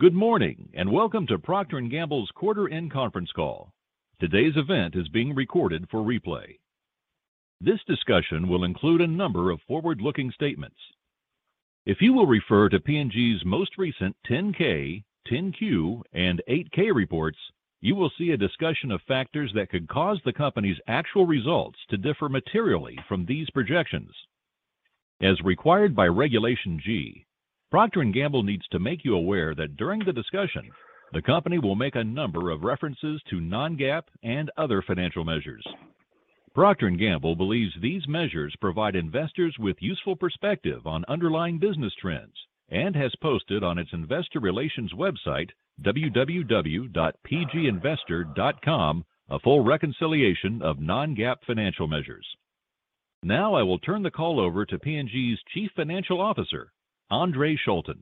Good morning, and welcome to Procter & Gamble's quarter end conference call. Today's event is being recorded for replay. This discussion will include a number of forward-looking statements. If you will refer to P&G's most recent 10-K, 10-Q, and 8-K reports, you will see a discussion of factors that could cause the company's actual results to differ materially from these projections. As required by Regulation G, Procter & Gamble needs to make you aware that during the discussion, the company will make a number of references to non-GAAP and other financial measures. Procter & Gamble believes these measures provide investors with useful perspective on underlying business trends, and has posted on its investor relations website, www.pginvestor.com, a full reconciliation of non-GAAP financial measures. Now I will turn the call over to P&G's Chief Financial Officer, Andre Schulten.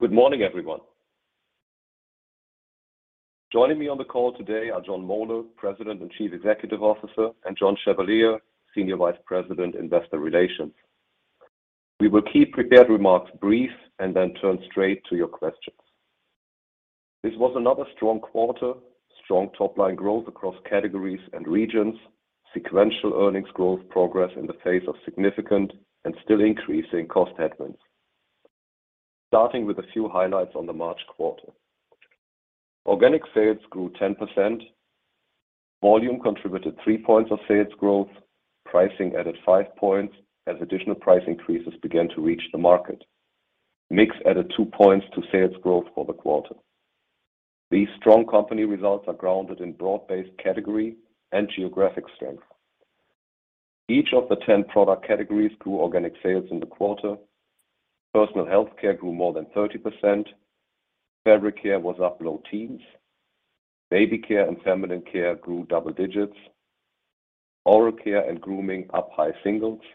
Good morning, everyone. Joining me on the call today are Jon Moeller, President and Chief Executive Officer, and John Chevalier, Senior Vice President, Investor Relations. We will keep prepared remarks brief and then turn straight to your questions. This was another strong quarter, strong top line growth across categories and regions, sequential earnings growth progress in the face of significant and still increasing cost headwinds. Starting with a few highlights on the March quarter. Organic sales grew 10%. Volume contributed three points of sales growth. Pricing added five points as additional price increases began to reach the market. Mix added two points to sales growth for the quarter. These strong company results are grounded in broad-based category and geographic strength. Each of the 10 product categories grew organic sales in the quarter. Personal Health Care grew more than 30%. Fabric care was up low teens. Baby Care and Feminine Care grew double digits. Oral Care and Grooming up high single digits.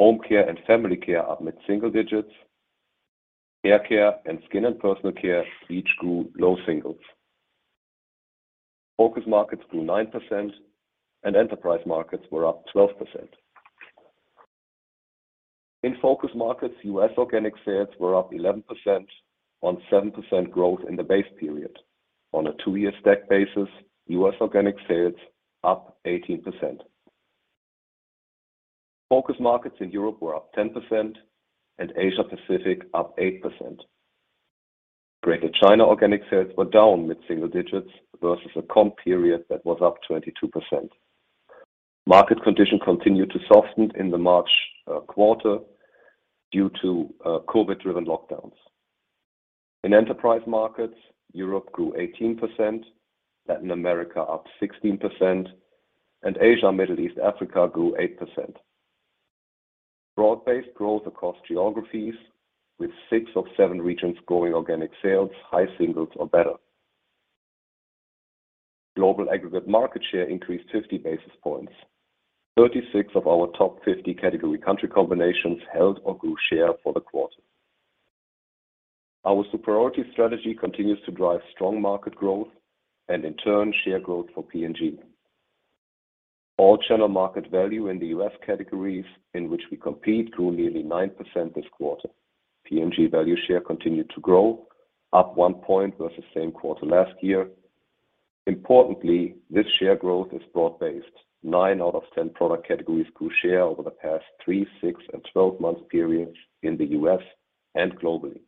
Home Care and Family Care up mid-single digits. Hair Care and Skin and Personal Care each grew low single digits. Focus markets grew 9%, and enterprise markets were up 12%. In focus markets, US organic sales were up 11% on 7% growth in the base period. On a two-year stack basis, US organic sales up 18%. Focus markets in Europe were up 10% and Asia Pacific up 8%. Greater China organic sales were down mid-single digits versus a comp period that was up 22%. Market condition continued to soften in the March quarter due to COVID-driven lockdowns. In enterprise markets, Europe grew 18%, Latin America up 16%, and Asia, Middle East, Africa grew 8%. Broad-based growth across geographies with 6 of 7 regions growing organic sales, high singles or better. Global aggregate market share increased 50 basis points. 36 of our top 50 category country combinations held or grew share for the quarter. Our superiority strategy continues to drive strong market growth and in turn, share growth for P&G. All channel market value in the U.S. categories in which we compete grew nearly 9% this quarter. P&G value share continued to grow, up one point versus same quarter last year. Importantly, this share growth is broad-based. nine out of 10 product categories grew share over the past three, six, and 12-month periods in the US and globally.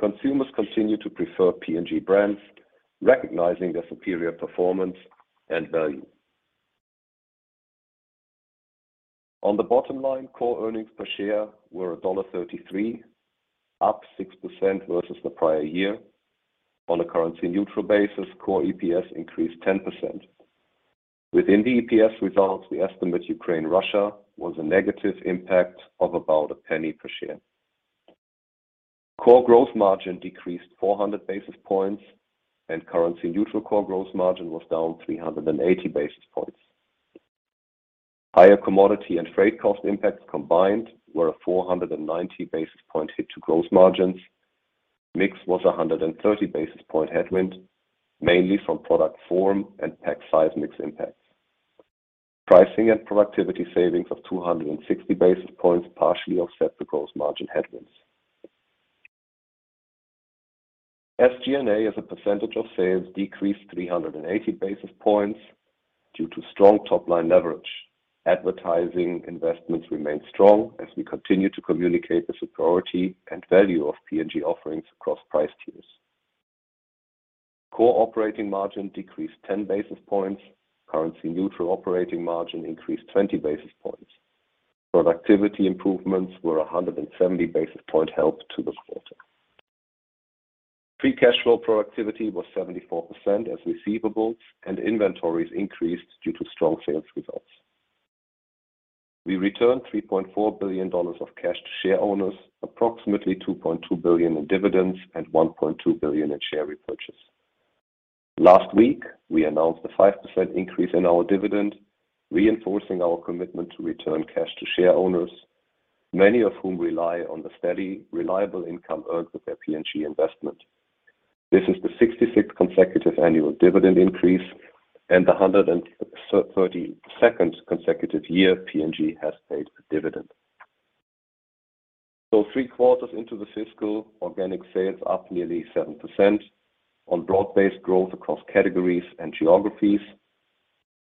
Consumers continue to prefer P&G brands, recognizing their superior performance and value. On the bottom line, core earnings per share were $1.33, up 6% versus the prior year. On a currency neutral basis, core EPS increased 10%. Within the EPS results, we estimate Ukraine-Russia was a negative impact of about $0.01 per share. Core growth margin decreased 400 basis points, and currency neutral core growth margin was down 380 basis points. Higher commodity and freight cost impacts combined were a 490 basis point hit to gross margins. Mix was 130 basis point headwind, mainly from product form and pack size mix impacts. Pricing and productivity savings of 260 basis points partially offset the gross margin headwinds. SG&A, as a percentage of sales, decreased 380 basis points due to strong top line leverage. Advertising investments remain strong as we continue to communicate the superiority and value of P&G offerings across price tiers. Core operating margin decreased 10 basis points. Currency neutral operating margin increased 20 basis points. Productivity improvements were 170 basis points help to the quarter. Free cash flow productivity was 74% as receivables and inventories increased due to strong sales results. We returned $3.4 billion of cash to share owners, approximately $2.2 billion in dividends and $1.2 billion in share repurchase. Last week, we announced a 5% increase in our dividend, reinforcing our commitment to return cash to share owners, many of whom rely on the steady, reliable income earned with their P&G investment. This is the 66th consecutive annual dividend increase and the 133rd consecutive year P&G has paid a dividend. Three quarters into the fiscal, organic sales up nearly 7% on broad-based growth across categories and geographies,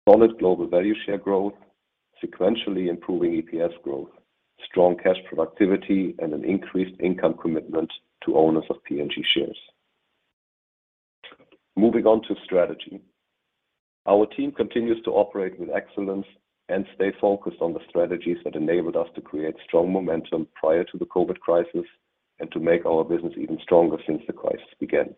solid global value share growth, sequentially improving EPS growth, strong cash productivity, and an increased income commitment to owners of P&G shares. Moving on to strategy. Our team continues to operate with excellence and stay focused on the strategies that enabled us to create strong momentum prior to the COVID crisis and to make our business even stronger since the crisis began.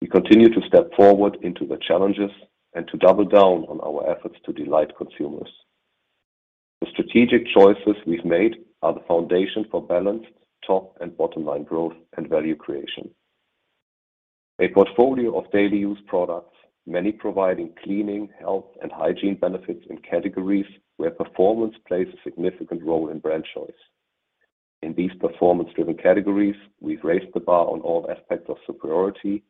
We continue to step forward into the challenges and to double down on our efforts to delight consumers. The strategic choices we've made are the foundation for balanced top and bottom line growth and value creation. A portfolio of daily use products, many providing cleaning, health, and hygiene benefits in categories where performance plays a significant role in brand choice. In these performance-driven categories, we've raised the bar on all aspects of superiority,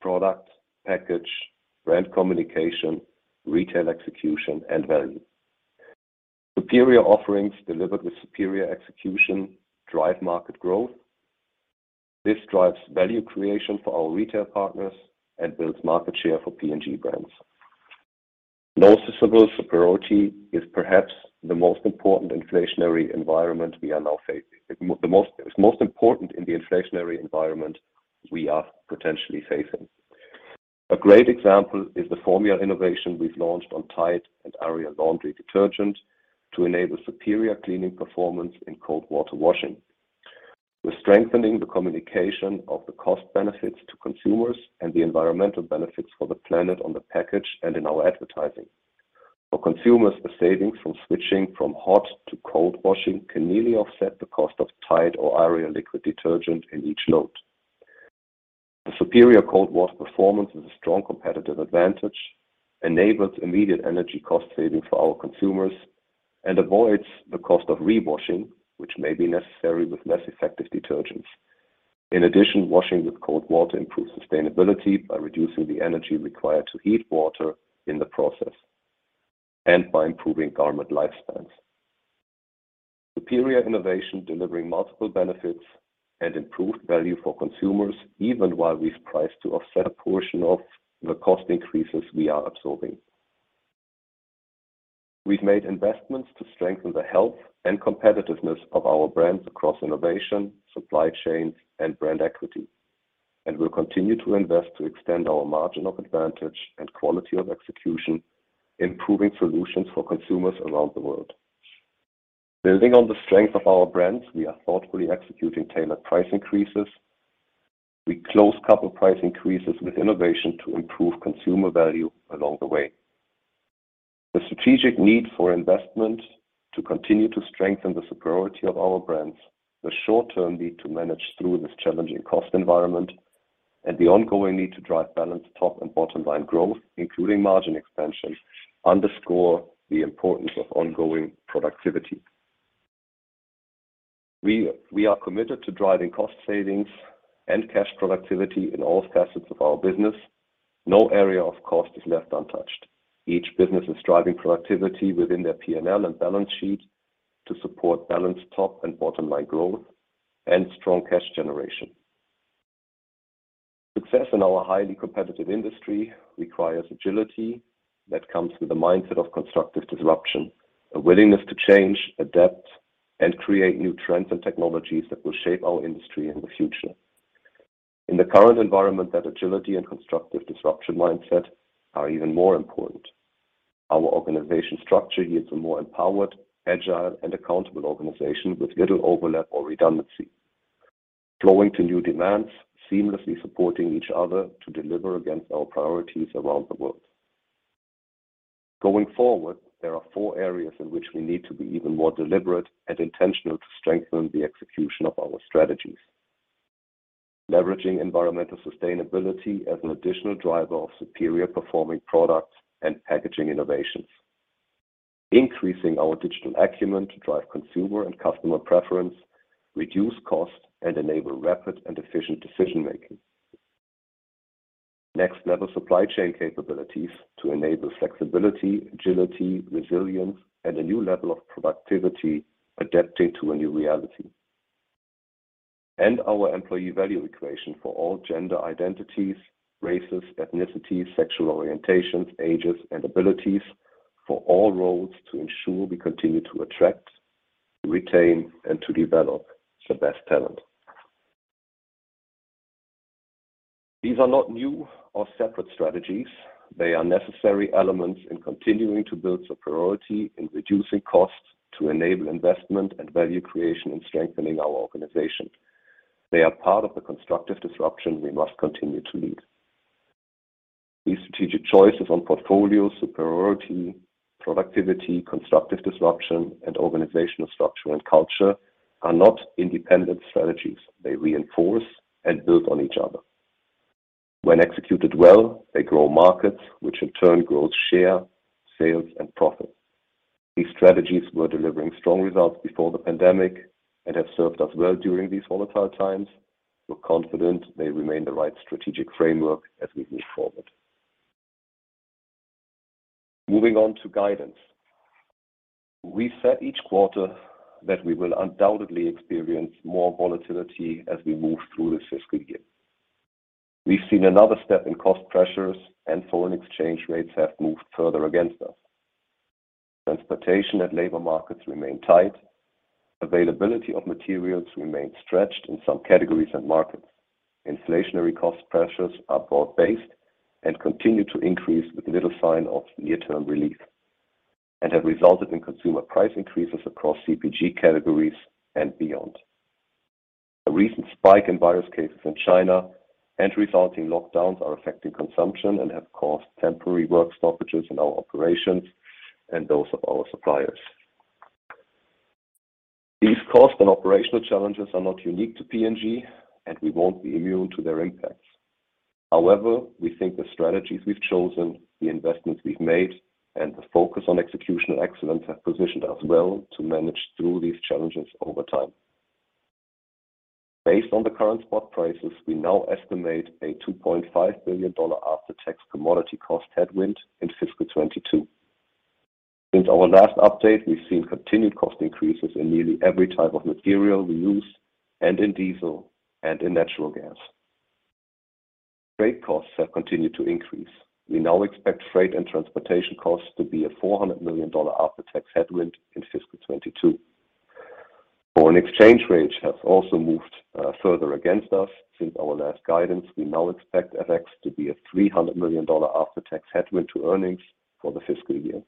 product, package, brand communication, retail execution, and value. Superior offerings delivered with superior execution drive market growth. This drives value creation for our retail partners and builds market share for P&G brands. Noticeable superiority is perhaps the most important in the inflationary environment we are now facing. A great example is the formula innovation we've launched on Tide and Ariel laundry detergent to enable superior cleaning performance in cold water washing. We're strengthening the communication of the cost benefits to consumers and the environmental benefits for the planet on the package and in our advertising. For consumers, the savings from switching from hot to cold washing can nearly offset the cost of Tide or Ariel liquid detergent in each load. The superior cold wash performance is a strong competitive advantage, enables immediate energy cost savings for our consumers, and avoids the cost of rewashing, which may be necessary with less effective detergents. In addition, washing with cold water improves sustainability by reducing the energy required to heat water in the process and by improving garment lifespans. Superior innovation delivering multiple benefits and improved value for consumers even while we've priced to offset a portion of the cost increases we are absorbing. We've made investments to strengthen the health and competitiveness of our brands across innovation, supply chains, and brand equity, and we'll continue to invest to extend our margin of advantage and quality of execution, improving solutions for consumers around the world. Building on the strength of our brands, we are thoughtfully executing tailored price increases. We closely couple price increases with innovation to improve consumer value along the way. The strategic need for investment to continue to strengthen the superiority of our brands, the short-term need to manage through this challenging cost environment, and the ongoing need to drive balanced top and bottom line growth, including margin expansion, underscore the importance of ongoing productivity. We are committed to driving cost savings and cash productivity in all facets of our business. No area of cost is left untouched. Each business is driving productivity within their P&L and balance sheet to support balanced top and bottom line growth and strong cash generation. Success in our highly competitive industry requires agility that comes with a mindset of constructive disruption, a willingness to change, adapt, and create new trends and technologies that will shape our industry in the future. In the current environment, that agility and constructive disruption mindset are even more important. Our organization structure yields a more empowered, agile, and accountable organization with little overlap or redundancy, flowing to new demands, seamlessly supporting each other to deliver against our priorities around the world. Going forward, there are four areas in which we need to be even more deliberate and intentional to strengthen the execution of our strategies. Leveraging environmental sustainability as an additional driver of superior-performing products and packaging innovations. Increasing our digital acumen to drive consumer and customer preference, reduce cost, and enable rapid and efficient decision-making. Next level supply chain capabilities to enable flexibility, agility, resilience, and a new level of productivity adapting to a new reality. Our employee value equation for all gender identities, races, ethnicities, sexual orientations, ages, and abilities for all roles to ensure we continue to attract, retain, and to develop the best talent. These are not new or separate strategies. They are necessary elements in continuing to build superiority, in reducing costs to enable investment and value creation, and strengthening our organization. They are part of the constructive disruption we must continue to lead. These strategic choices on portfolio superiority, productivity, constructive disruption, and organizational structure and culture are not independent strategies. They reinforce and build on each other. When executed well, they grow markets, which in turn grows share, sales, and profit. These strategies were delivering strong results before the pandemic and have served us well during these volatile times. We're confident they remain the right strategic framework as we move forward. Moving on to guidance. We said each quarter that we will undoubtedly experience more volatility as we move through this fiscal year. We've seen another step in cost pressures and foreign exchange rates have moved further against us. Transportation and labor markets remain tight. Availability of materials remains stretched in some categories and markets. Inflationary cost pressures are broad-based and continue to increase with little sign of near-term relief, and have resulted in consumer price increases across CPG categories and beyond. A recent spike in virus cases in China and resulting lockdowns are affecting consumption and have caused temporary work stoppages in our operations and those of our suppliers. These cost and operational challenges are not unique to P&G, and we won't be immune to their impacts. However, we think the strategies we've chosen, the investments we've made, and the focus on executional excellence have positioned us well to manage through these challenges over time. Based on the current spot prices, we now estimate a $2.5 billion after-tax commodity cost headwind in FY2022. Since our last update, we've seen continued cost increases in nearly every type of material we use and in diesel and in natural gas. Freight costs have continued to increase. We now expect freight and transportation costs to be a $400 million after-tax headwind in fiscal 2022. Foreign exchange rates have also moved further against us since our last guidance. We now expect FX to be a $300 million after-tax headwind to earnings for the fiscal year.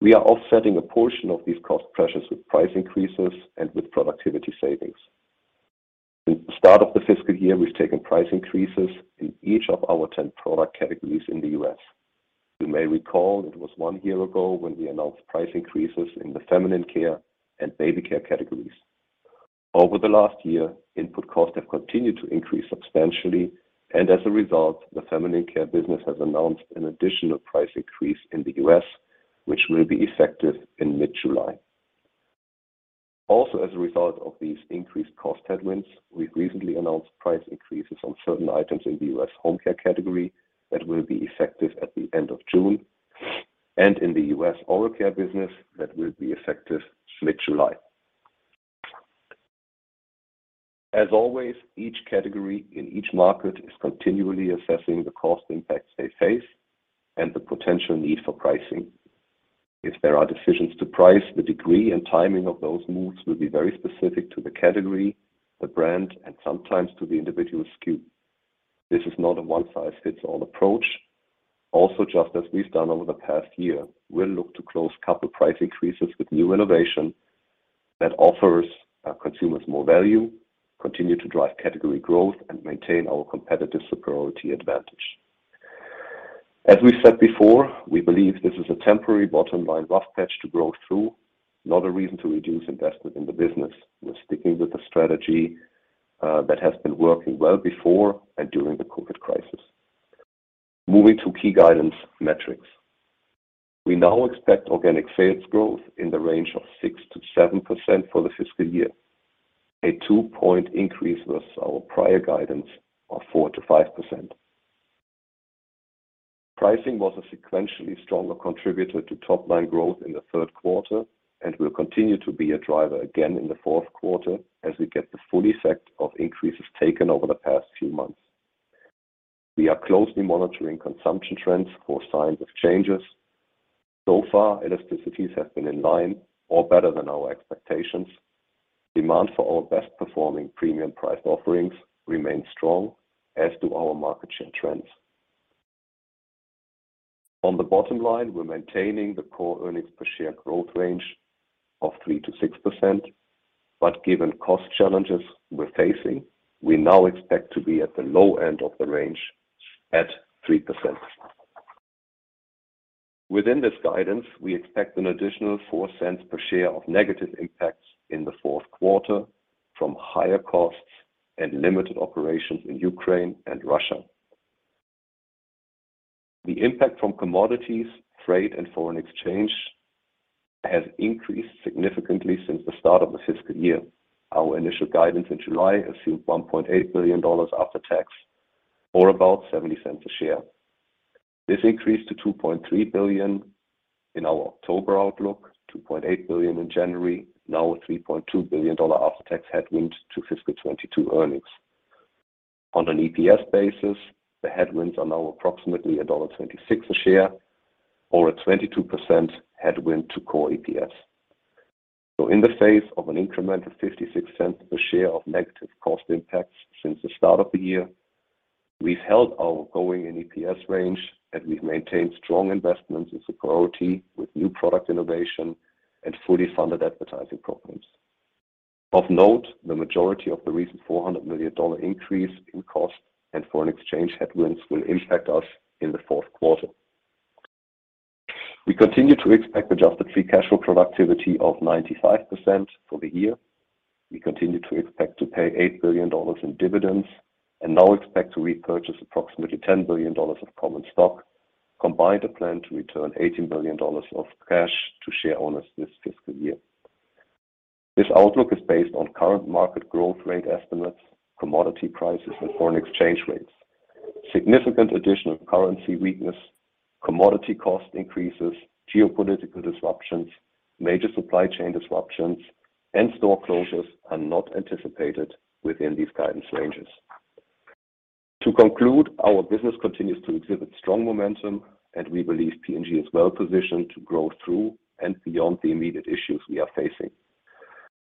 We are offsetting a portion of these cost pressures with price increases and with productivity savings. Since the start of the fiscal year, we've taken price increases in each of our 10 product categories in the US. You may recall it was one year ago when we announced price increases in the feminine care and baby care categories. Over the last year, input costs have continued to increase substantially, and as a result, the feminine care business has announced an additional price increase in the US, which will be effective in mid-July. Also, as a result of these increased cost headwinds, we've recently announced price increases on certain items in the US home care category that will be effective at the end of June, and in the US oral care business that will be effective mid-July. As always, each category in each market is continually assessing the cost impacts they face and the potential need for pricing. If there are decisions to price, the degree and timing of those moves will be very specific to the category, the brand, and sometimes to the individual SKU. This is not a one-size-fits-all approach. Also, just as we've done over the past year, we'll look to close couple price increases with new innovation that offers our consumers more value, continue to drive category growth, and maintain our competitive superiority advantage. As we said before, we believe this is a temporary bottom-line rough patch to grow through, not a reason to reduce investment in the business. We're sticking with the strategy that has been working well before and during the COVID crisis. Moving to key guidance metrics. We now expect organic sales growth in the range of 6%-7% for the fiscal year, a two-point increase versus our prior guidance of 4%-5%. Pricing was a sequentially stronger contributor to top line growth in the Q3 and will continue to be a driver again in the Q4 as we get the full effect of increases taken over the past few months. We are closely monitoring consumption trends for signs of changes. So far, elasticities have been in line or better than our expectations. Demand for our best performing premium price offerings remains strong, as do our market share trends. On the bottom line, we're maintaining the core earnings per share growth range of 3%-6%, but given cost challenges we're facing, we now expect to be at the low end of the range at 3%. Within this guidance, we expect an additional $0.04 per share of negative impacts in the Q4 from higher costs and limited operations in Ukraine and Russia. The impact from commodities, freight, and foreign exchange has increased significantly since the start of the fiscal year. Our initial guidance in July assumed $1.8 billion after tax or about $0.70 a share. This increased to $2.3 billion in our October outlook, $2.8 billion in January, now a $3.2 billion after-tax headwind to fiscal 2022 earnings. On an EPS basis, the headwinds are now approximately $1.26 a share or a 22% headwind to core EPS. In the face of an increment of $0.56 a share of negative cost impacts since the start of the year, we've held our guidance and EPS range, and we've maintained strong investments in superiority with new product innovation and fully funded advertising programs. Of note, the majority of the recent $400 million increase in cost and foreign exchange headwinds will impact us in the Q4. We continue to expect adjusted free cash flow productivity of 95% for the year. We continue to expect to pay $8 billion in dividends and now expect to repurchase approximately $10 billion of common stock. Combined, a plan to return $18 billion of cash to share owners this fiscal year. This outlook is based on current market growth rate estimates, commodity prices, and foreign exchange rates. Significant additional currency weakness, commodity cost increases, geopolitical disruptions, major supply chain disruptions, and store closures are not anticipated within these guidance ranges. To conclude, our business continues to exhibit strong momentum, and we believe P&G is well positioned to grow through and beyond the immediate issues we are facing.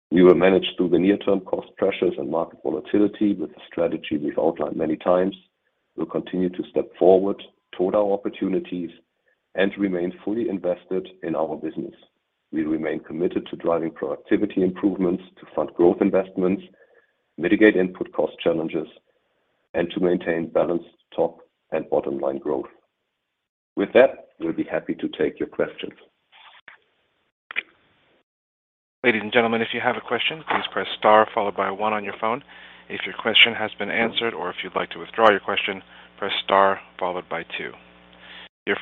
We will manage through the near-term cost pressures and market volatility with the strategy we've outlined many times. We'll continue to step forward toward our opportunities and remain fully invested in our business. We remain committed to driving productivity improvements to fund growth investments, mitigate input cost challenges, and to maintain balanced top and bottom-line growth. With that, we'll be happy to take your questions. Your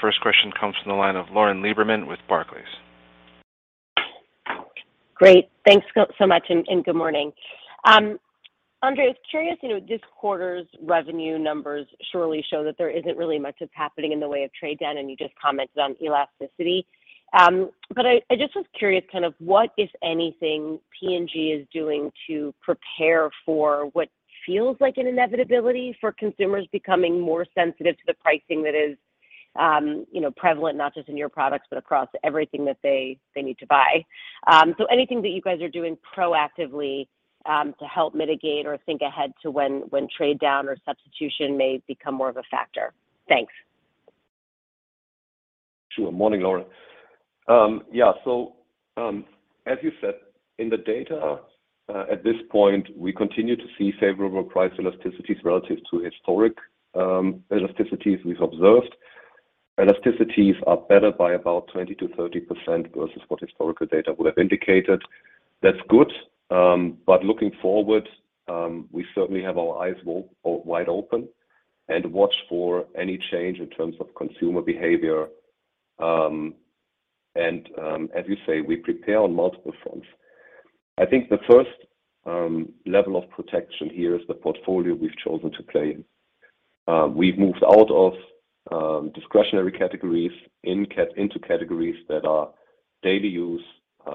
first question comes from the line of Lauren Lieberman with Barclays. Great. Thanks so much, and good morning. Andre, I'm curious, you know, this quarter's revenue numbers surely show that there isn't really much that's happening in the way of trade down, and you just commented on elasticity. I just was curious kind of what, if anything, P&G is doing to prepare for what feels like an inevitability for consumers becoming more sensitive to the pricing that is, you know, prevalent not just in your products, but across everything that they need to buy. Anything that you guys are doing proactively, to help mitigate or think ahead to when trade down or substitution may become more of a factor? Thanks. Sure. Morning, Lauren. Yeah. As you said, in the data, at this point, we continue to see favorable price elasticities relative to historic elasticities we've observed. Elasticities are better by about 20%-30% versus what historical data would have indicated. That's good. Looking forward, we certainly have our eyes wide open and watch for any change in terms of consumer behavior. As you say, we prepare on multiple fronts. I think the first level of protection here is the portfolio we've chosen to play. We've moved out of discretionary categories into categories that are daily use,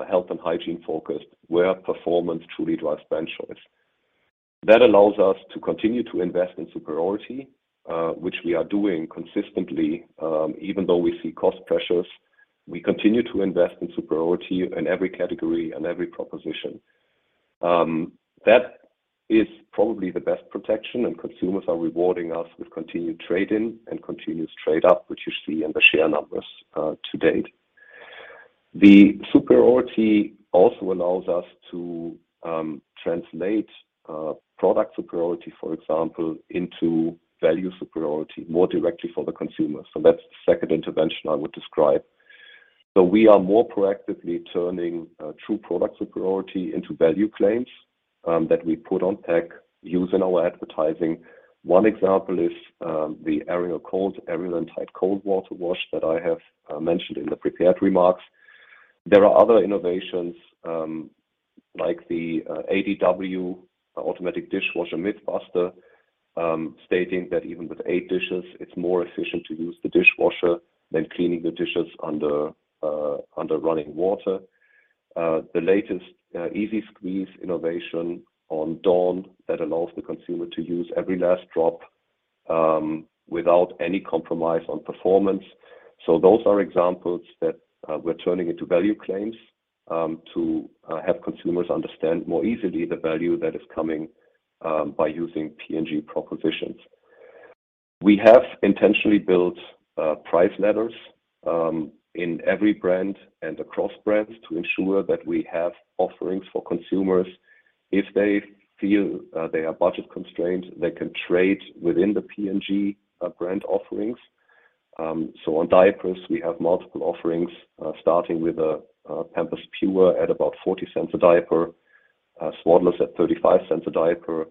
health and hygiene focused, where performance truly drives brand choice. That allows us to continue to invest in superiority, which we are doing consistently, even though we see cost pressures. We continue to invest in superiority in every category and every proposition. That is probably the best protection, and consumers are rewarding us with continued trade-in and continuous trade-up, which you see in the share numbers to date. The superiority also allows us to translate product superiority, for example, into value superiority more directly for the consumer. That's the second intervention I would describe. We are more proactively turning true product superiority into value claims that we put on pack, use in our advertising. One example is the Ariel cold, Ariel and Tide cold water wash that I have mentioned in the prepared remarks. There are other innovations like the ADW automatic dishwasher myth buster stating that even with eight dishes, it's more efficient to use the dishwasher than cleaning the dishes under running water. The latest easy squeeze innovation on Dawn that allows the consumer to use every last drop without any compromise on performance. Those are examples that we're turning into value claims to have consumers understand more easily the value that is coming by using P&G propositions. We have intentionally built price ladders in every brand and across brands to ensure that we have offerings for consumers. If they feel they are budget constrained, they can trade within the P&G brand offerings. On diapers, we have multiple offerings starting with Pampers Pure at about $0.40 a diaper, Swaddlers at $0.35 a diaper,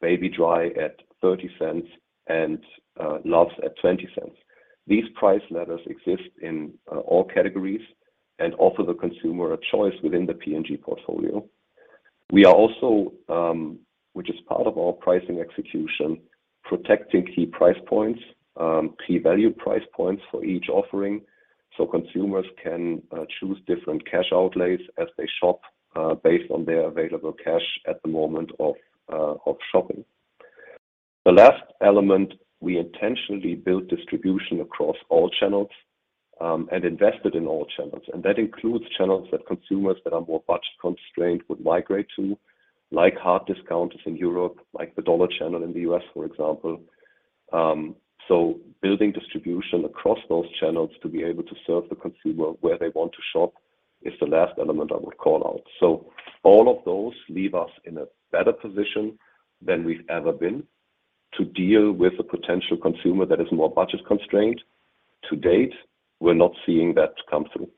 Baby-Dry at $0.30, and Luvs at $0.20. These price ladders exist in all categories and offer the consumer a choice within the P&G portfolio. We are also, which is part of our pricing execution, protecting key price points, key value price points for each offering, so consumers can choose different cash outlays as they shop, based on their available cash at the moment of shopping. The last element, we intentionally built distribution across all channels, and invested in all channels, and that includes channels that consumers that are more budget constrained would migrate to, like hard discounters in Europe, like the dollar channel in the US, for example. So building distribution across those channels to be able to serve the consumer where they want to shop is the last element I would call out. So all of those leave us in a better position than we've ever been to deal with a potential consumer that is more budget constrained. To date, we're not seeing that come through.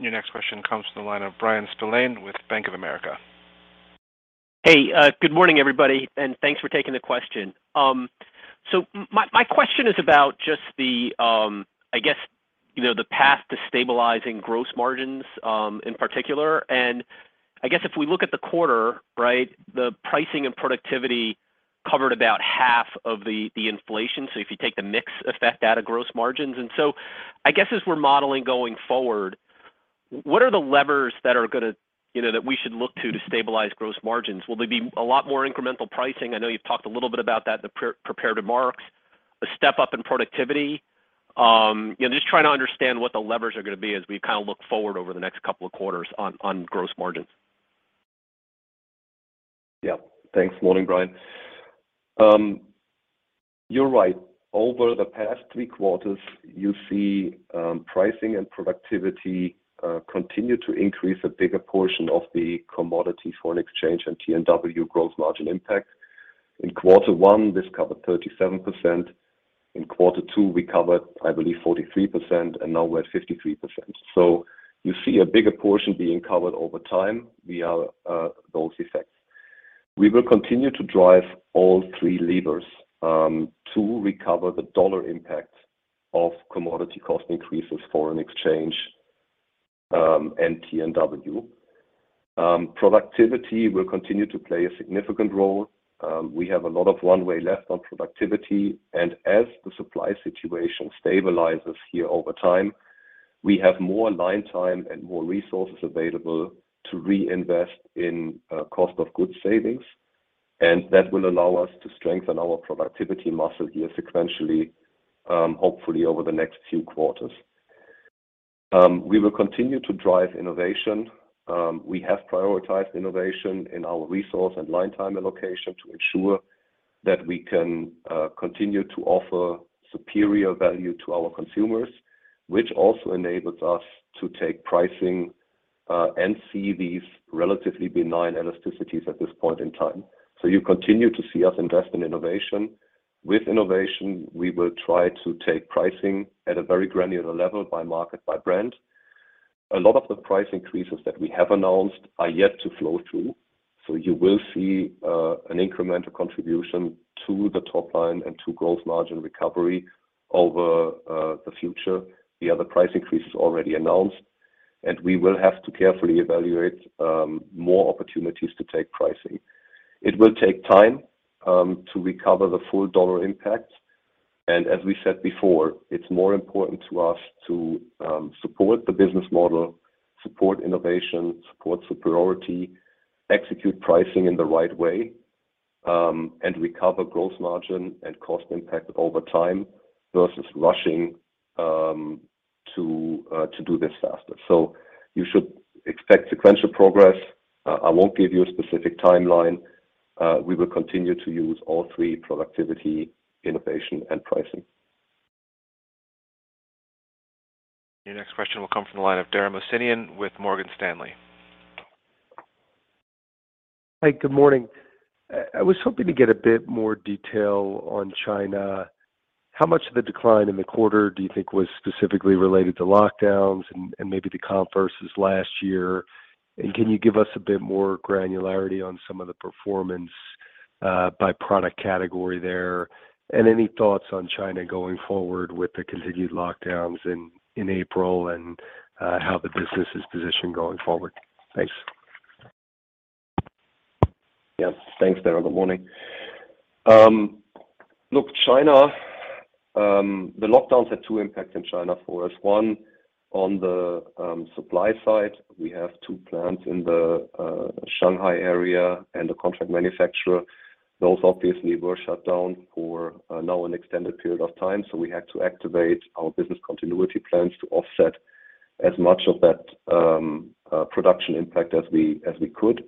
Your next question comes from the line of Bryan Spillane with Bank of America. Hey, good morning, everybody, and thanks for taking the question. My question is about just the, I guess, you know, the path to stabilizing gross margins, in particular. I guess if we look at the quarter, right, the pricing and productivity covered about half of the inflation. If you take the mix effect out of gross margins. I guess as we're modeling going forward, what are the levers that are gonna, you know, that we should look to to stabilize gross margins? Will they be a lot more incremental pricing? I know you've talked a little bit about that, the prepared remarks. A step up in productivity. You know, just trying to understand what the levers are gonna be as we kinda look forward over the next couple of quarters on gross margins. Yeah. Thanks. Morning, Bryan. You're right. Over the past three quarters, you see, pricing and productivity continue to increase a bigger portion of the commodity, foreign exchange, and T&W gross margin impact. In quarter one, this covered 37%. In quarter two, we covered, I believe, 43%, and now we're at 53%. You see a bigger portion being covered over time via those effects. We will continue to drive all three levers to recover the dollar impact of commodity cost increases, foreign exchange, and T&W. Productivity will continue to play a significant role. We have a lot of one way left on productivity, and as the supply situation stabilizes here over time, we have more line time and more resources available to reinvest in cost of goods savings, and that will allow us to strengthen our productivity muscle here sequentially, hopefully over the next few quarters. We will continue to drive innovation. We have prioritized innovation in our resource and line time allocation to ensure that we can continue to offer superior value to our consumers, which also enables us to take pricing and see these relatively benign elasticities at this point in time. You continue to see us invest in innovation. With innovation, we will try to take pricing at a very granular level by market, by brand. A lot of the price increases that we have announced are yet to flow through, so you will see an incremental contribution to the top line and to growth margin recovery over the future via the price increases already announced, and we will have to carefully evaluate more opportunities to take pricing. It will take time to recover the full dollar impact. As we said before, it's more important to us to support the business model, support innovation, support superiority, execute pricing in the right way, and recover gross margin and cost impact over time versus rushing to do this faster. You should expect sequential progress. I won't give you a specific timeline. We will continue to use all three: productivity, innovation, and pricing. Your next question will come from the line of Dara Mohsenian with Morgan Stanley. Hi. Good morning. I was hoping to get a bit more detail on China. How much of the decline in the quarter do you think was specifically related to lockdowns and maybe the converse is last year? Can you give us a bit more granularity on some of the performance by product category there? Any thoughts on China going forward with the continued lockdowns in April and how the business is positioned going forward? Thanks. Yeah. Thanks, Dara. Good morning. Look, China, the lockdowns had two impacts in China for us. One, on the supply side, we have two plants in the Shanghai area and a contract manufacturer. Those obviously were shut down for now an extended period of time, so we had to activate our business continuity plans to offset as much of that production impact as we could.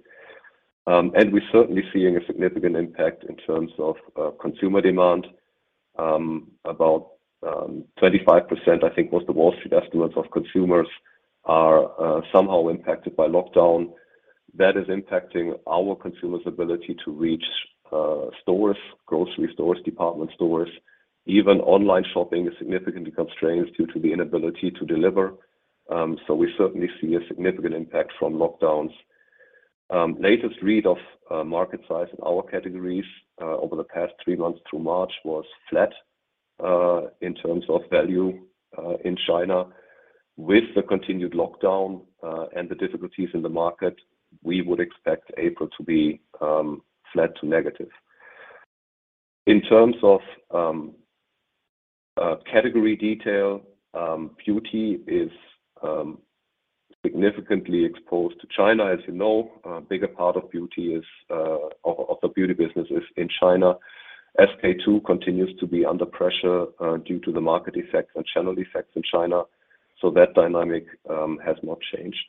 We're certainly seeing a significant impact in terms of consumer demand. About 25%, I think, was the Wall Street estimates of consumers are somehow impacted by lockdown. That is impacting our consumers' ability to reach stores, grocery stores, department stores. Even online shopping is significantly constrained due to the inability to deliver. We certainly see a significant impact from lockdowns. Latest read of market size in our categories over the past three months through March was flat in terms of value in China. With the continued lockdown and the difficulties in the market, we would expect April to be flat to negative. In terms of category detail, beauty is significantly exposed to China. As you know, a bigger part of the beauty business is in China. SK-II continues to be under pressure due to the market effects and channel effects in China. That dynamic has not changed.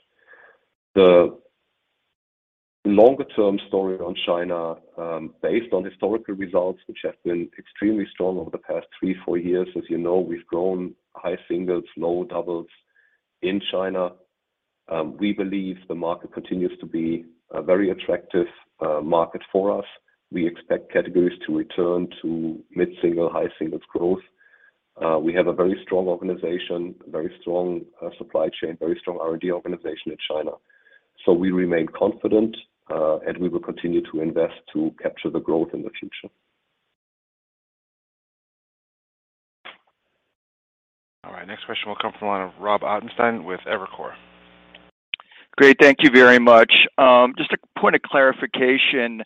The longer-term story on China based on historical results, which have been extremely strong over the past three, four years. As you know, we've grown high singles, low doubles in China. We believe the market continues to be a very attractive market for us. We expect categories to return to mid-single, high singles growth. We have a very strong organization, very strong supply chain, very strong R&D organization in China. We remain confident and we will continue to invest to capture the growth in the future. All right. Next question will come from the line of Robert Ottenstein with Evercore. Great. Thank you very much. Just a point of clarification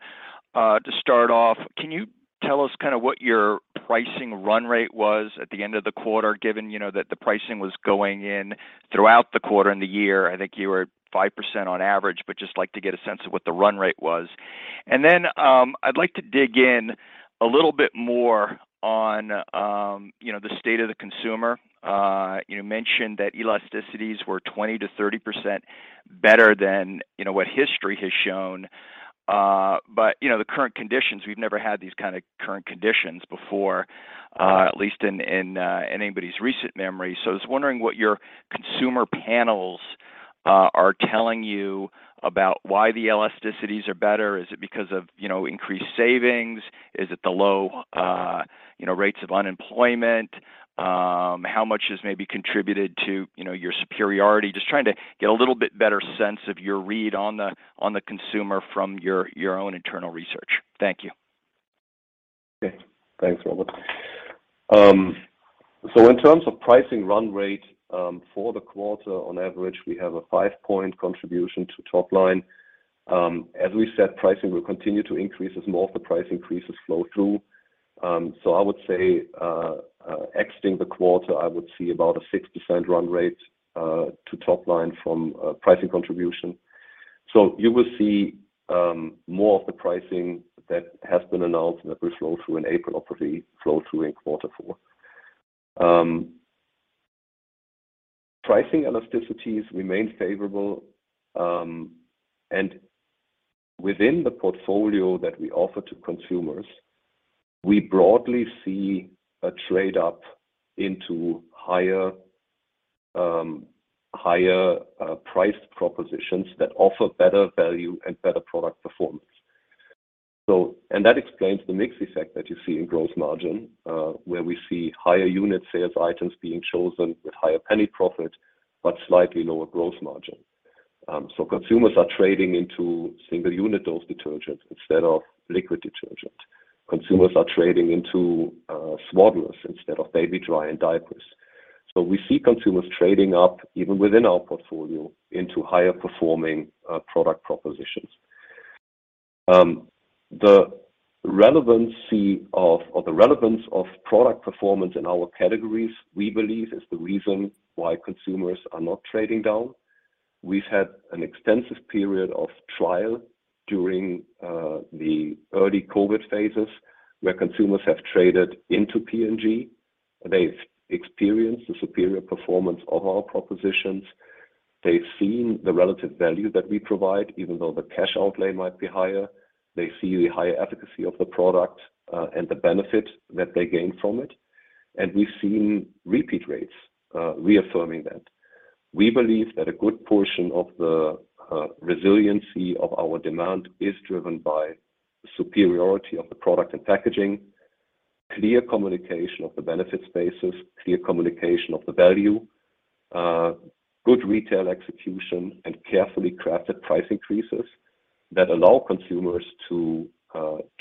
to start off. Can you tell us kinda what your pricing run rate was at the end of the quarter, given, you know, that the pricing was going in throughout the quarter and the year? I think you were 5% on average, but I'd just like to get a sense of what the run rate was. I'd like to dig in a little bit more on, you know, the state of the consumer. You mentioned that elasticities were 20%-30% better than, you know, what history has shown. But, you know, the current conditions, we've never had these kinda current conditions before, at least in anybody's recent memory. I was wondering what your consumer panels are telling you about why the elasticities are better. Is it because of, you know, increased savings? Is it the low, you know, rates of unemployment? How much has maybe contributed to, you know, your superiority? Just trying to get a little bit better sense of your read on the consumer from your own internal research. Thank you. Okay. Thanks, Robert. In terms of pricing run rate, for the quarter, on average, we have a five-point contribution to top line. As we said, pricing will continue to increase as more of the price increases flow through. I would say, exiting the quarter, I would see about a 6% run rate to top line from pricing contribution. You will see more of the pricing that has been announced that will flow through in April, obviously flow through in quarter four. Pricing elasticities remain favorable, and within the portfolio that we offer to consumers, we broadly see a trade-up into higher priced propositions that offer better value and better product performance. That explains the mix effect that you see in gross margin, where we see higher unit sales items being chosen with higher penny profit, but slightly lower gross margin. Consumers are trading into single unit dose detergent instead of liquid detergent. Consumers are trading into Swaddlers instead of Baby-Dry in diapers. We see consumers trading up even within our portfolio into higher performing product propositions. The relevance of product performance in our categories, we believe is the reason why consumers are not trading down. We've had an extensive period of trial during the early COVID phases, where consumers have traded into P&G. They've experienced the superior performance of our propositions. They've seen the relative value that we provide, even though the cash outlay might be higher. They see the higher efficacy of the product and the benefit that they gain from it. We've seen repeat rates reaffirming that. We believe that a good portion of the resiliency of our demand is driven by the superiority of the product and packaging, clear communication of the benefit spaces, clear communication of the value, good retail execution, and carefully crafted price increases that allow consumers to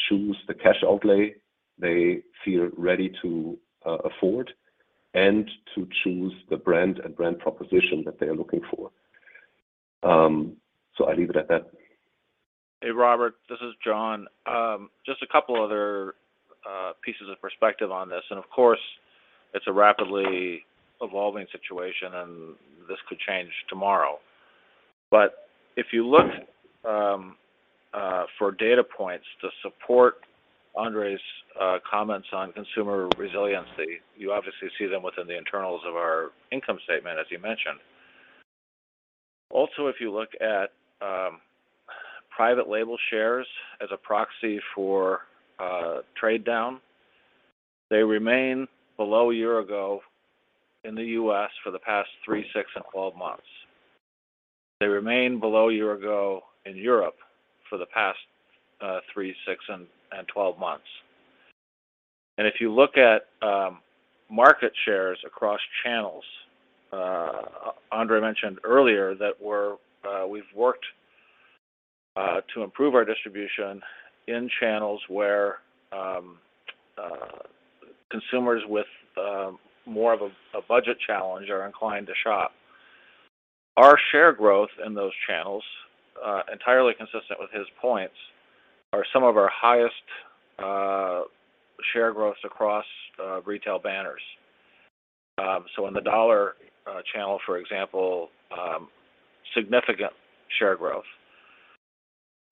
choose the cash outlay they feel ready to afford and to choose the brand and brand proposition that they are looking for. I leave it at that. Hey, Robert. This is Jon. Just a couple other pieces of perspective on this. Of course, it's a rapidly evolving situation, and this could change tomorrow. If you look for data points to support Andre's comments on consumer resiliency, you obviously see them within the internals of our income statement, as you mentioned. Also, if you look at private label shares as a proxy for trade down, they remain below a year ago in the U.S. for the past three, six, and 12 months. They remain below a year ago in Europe for the past three, six, and 12 months. If you look at market shares across channels, Andre mentioned earlier that we've worked to improve our distribution in channels where consumers with more of a budget challenge are inclined to shop. Our share growth in those channels, entirely consistent with his points, are some of our highest share growth across retail banners. In the dollar channel, for example, significant share growth.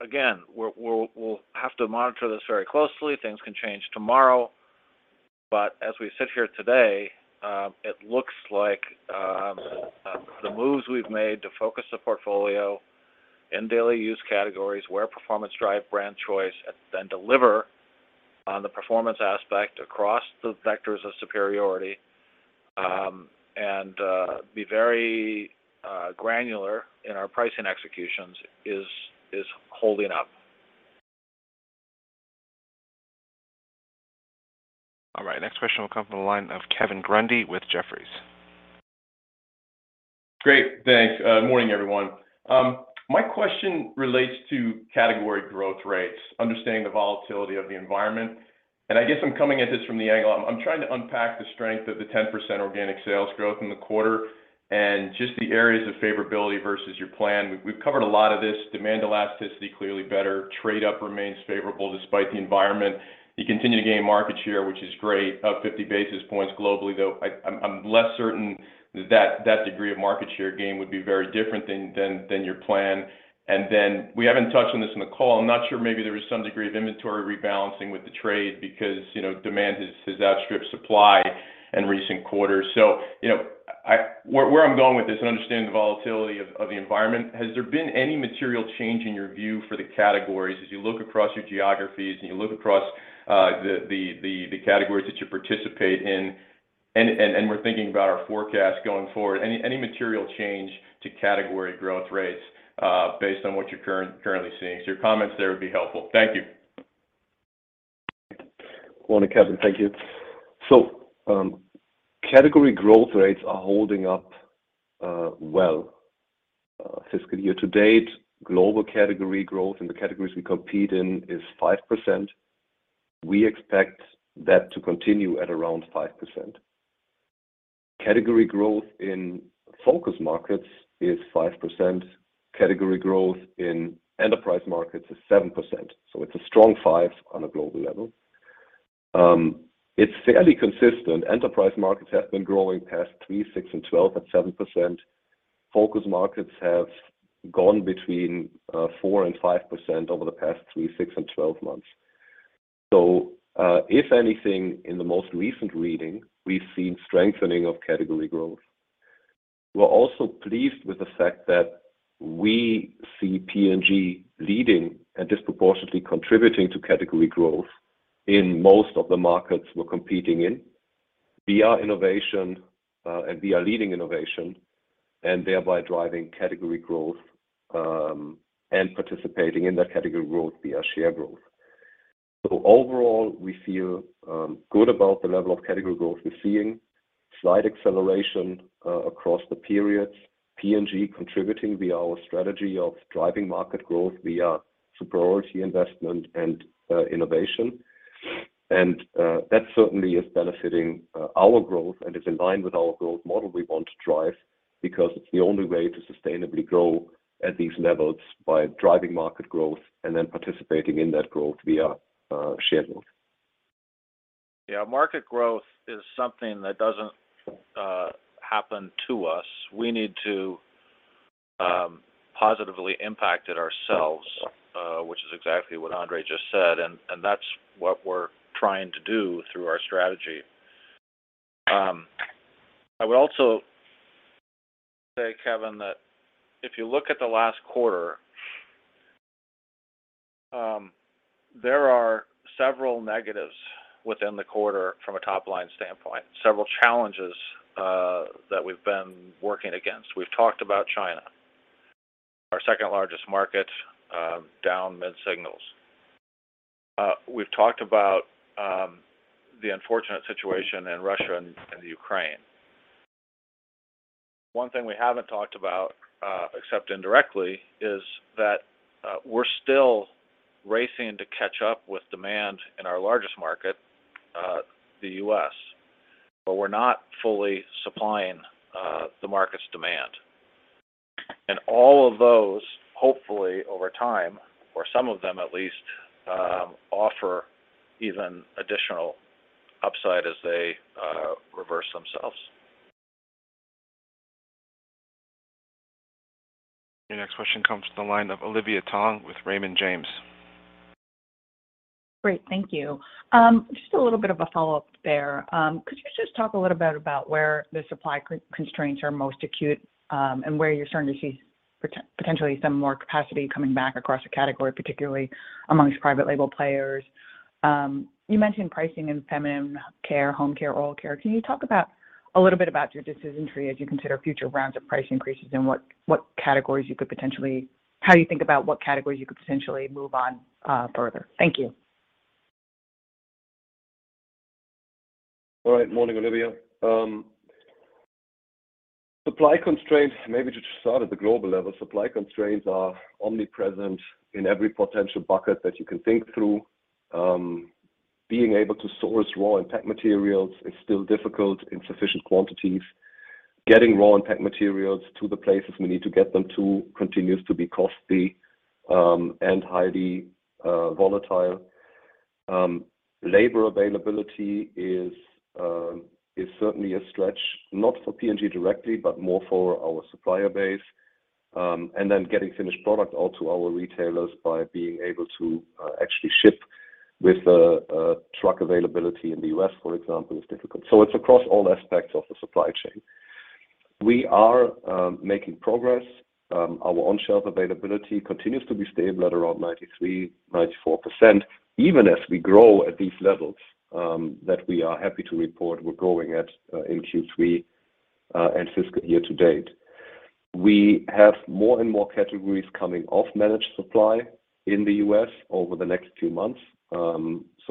Again, we'll have to monitor this very closely. Things can change tomorrow. As we sit here today, it looks like the moves we've made to focus the portfolio in daily use categories where performance drive brand choice and then deliver on the performance aspect across the vectors of superiority, and be very granular in our pricing executions is holding up. All right, next question will come from the line of Kevin Grundy with Jefferies. Great. Thanks. Morning, everyone. My question relates to category growth rates, understanding the volatility of the environment, and I guess I'm coming at this from the angle. I'm trying to unpack the strength of the 10% organic sales growth in the quarter and just the areas of favorability versus your plan. We've covered a lot of this. Demand elasticity clearly better. Trade up remains favorable despite the environment. You continue to gain market share, which is great. Up 50 basis points globally, though I'm less certain that that degree of market share gain would be very different than your plan. We haven't touched on this in the call. I'm not sure maybe there was some degree of inventory rebalancing with the trade because, you know, demand has outstripped supply in recent quarters. You know, where I'm going with this and understanding the volatility of the environment, has there been any material change in your view for the categories as you look across your geographies, and you look across the categories that you participate in? We're thinking about our forecast going forward. Any material change to category growth rates based on what you're currently seeing? Your comments there would be helpful. Thank you. Morning, Kevin. Thank you. Category growth rates are holding up, well. Fiscal year to date, global category growth in the categories we compete in is 5%. We expect that to continue at around 5%. Category growth in focus markets is 5%. Category growth in enterprise markets is 7%. It's a strong 5 on a global level. It's fairly consistent. Enterprise markets have been growing past three, six, and 12 at 7%. Focus markets have gone between 4% and 5% over the past three, six, and 12 months. If anything, in the most recent reading, we've seen strengthening of category growth. We're also pleased with the fact that we see P&G leading and disproportionately contributing to category growth in most of the markets we're competing in via innovation, and via leading innovation, and thereby driving category growth, and participating in that category growth via share growth. Overall, we feel good about the level of category growth. We're seeing slight acceleration across the periods, P&G contributing via our strategy of driving market growth via superiority investment and innovation. That certainly is benefiting our growth and is in line with our growth model we want to drive because it's the only way to sustainably grow at these levels by driving market growth and then participating in that growth via share growth. Yeah, market growth is something that doesn't happen to us. We need to positively impact it ourselves, which is exactly what Andre just said, and that's what we're trying to do through our strategy. I would also say, Kevin, that if you look at the last quarter, there are several negatives within the quarter from a top-line standpoint, several challenges that we've been working against. We've talked about China, our second-largest market, down mid-single digits. We've talked about the unfortunate situation in Russia and the Ukraine. One thing we haven't talked about, except indirectly, is that we're still racing to catch up with demand in our largest market, the US, but we're not fully supplying the market's demand. All of those, hopefully over time, or some of them at least, offer even additional upside as they reverse themselves. Your next question comes from the line of Olivia Tong with Raymond James. Great. Thank you. Just a little bit of a follow-up there. Could you just talk a little bit about where the supply constraints are most acute, and where you're starting to see potentially some more capacity coming back across the category, particularly amongst private label players? You mentioned pricing in feminine care, home care, oral care. Can you talk a little bit about your decision tree as you consider future rounds of price increases and how you think about what categories you could potentially move on further? Thank you. All right. Morning, Olivia. Supply constraints, maybe to start at the global level, supply constraints are omnipresent in every potential bucket that you can think through. Being able to source raw and packaging materials is still difficult in sufficient quantities. Getting raw and packaging materials to the places we need to get them to continues to be costly and highly volatile. Labor availability is certainly a stretch, not for P&G directly, but more for our supplier base. Getting finished product out to our retailers by being able to actually ship with truck availability in the US, for example, is difficult. It's across all aspects of the supply chain. We are making progress. Our on-shelf availability continues to be stable at around 93%-94%, even as we grow at these levels that we are happy to report we're growing at in Q3 and fiscal year to date. We have more and more categories coming off managed supply in the US over the next few months.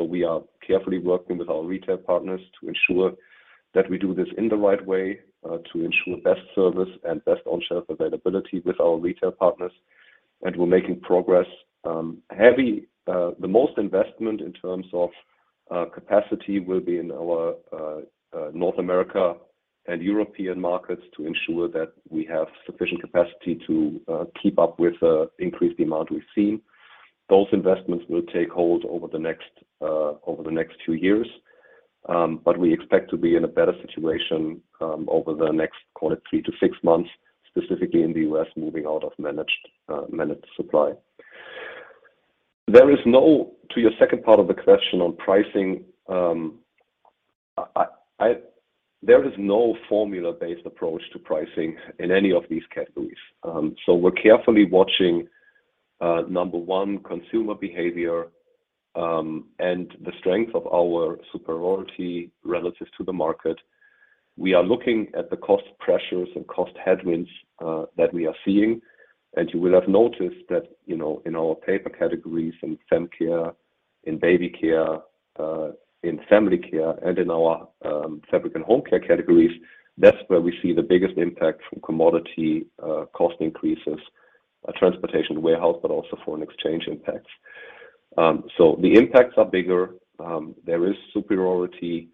We are carefully working with our retail partners to ensure that we do this in the right way to ensure best service and best on-shelf availability with our retail partners, and we're making progress. The most investment in terms of capacity will be in our North America and European markets to ensure that we have sufficient capacity to keep up with the increased amount we've seen. Those investments will take hold over the next few years. We expect to be in a better situation over the next, call it, three to six months, specifically in the US moving out of managed supply. To your second part of the question on pricing, there is no formula-based approach to pricing in any of these categories. We're carefully watching number one, consumer behavior, and the strength of our superiority relative to the market. We are looking at the cost pressures and cost headwinds that we are seeing. You will have noticed that, you know, in our paper categories, in fem care, in baby care, in family care, and in our fabric and home care categories, that's where we see the biggest impact from commodity cost increases, transportation and warehouse, but also foreign exchange impacts. The impacts are bigger. There is superiority,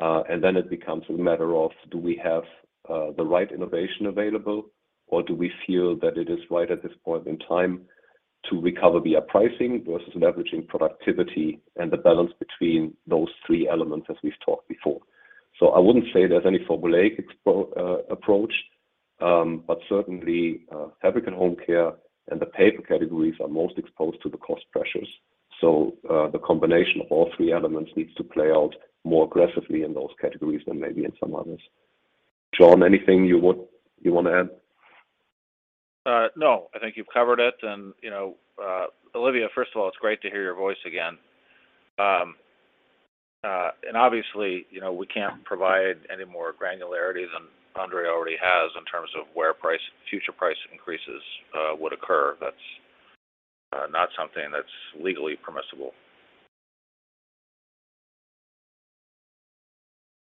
and then it becomes a matter of do we have the right innovation available, or do we feel that it is right at this point in time to recover via pricing versus leveraging productivity and the balance between those three elements as we've talked before. I wouldn't say there's any formulaic approach, but certainly, Fabric and Home Care and the paper categories are most exposed to the cost pressures. The combination of all three elements needs to play out more aggressively in those categories than maybe in some others. John, anything you wanna add? No, I think you've covered it. You know, Olivia, first of all, it's great to hear your voice again. Obviously, you know, we can't provide any more granularity than Andre already has in terms of where future price increases would occur. That's not something that's legally permissible.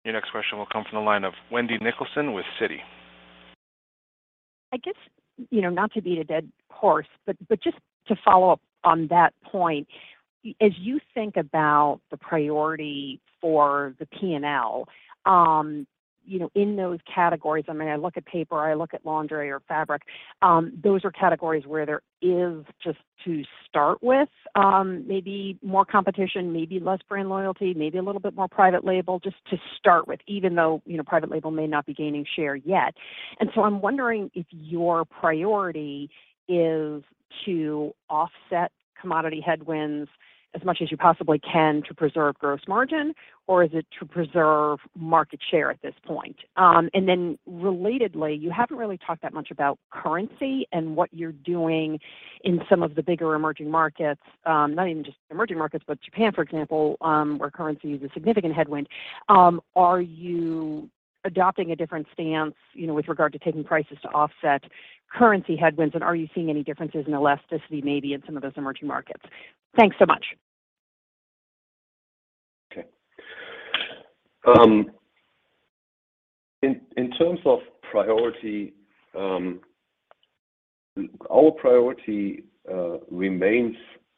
Your next question will come from the line of Wendy Nicholson with Citi. I guess, you know, not to beat a dead horse, but just to follow up on that point. As you think about the priority for the P&L, you know, in those categories, I mean, I look at paper, I look at laundry or fabric, those are categories where there is, just to start with, maybe more competition, maybe less brand loyalty, maybe a little bit more private label, just to start with, even though, you know, private label may not be gaining share yet. I'm wondering if your priority is to offset commodity headwinds as much as you possibly can to preserve gross margin, or is it to preserve market share at this point? Relatedly, you haven't really talked that much about currency and what you're doing in some of the bigger emerging markets, not even just emerging markets, but Japan, for example, where currency is a significant headwind. Are you adopting a different stance, you know, with regard to taking prices to offset currency headwinds? Are you seeing any differences in elasticity maybe in some of those emerging markets? Thanks so much. Okay. In terms of priority, our priority remains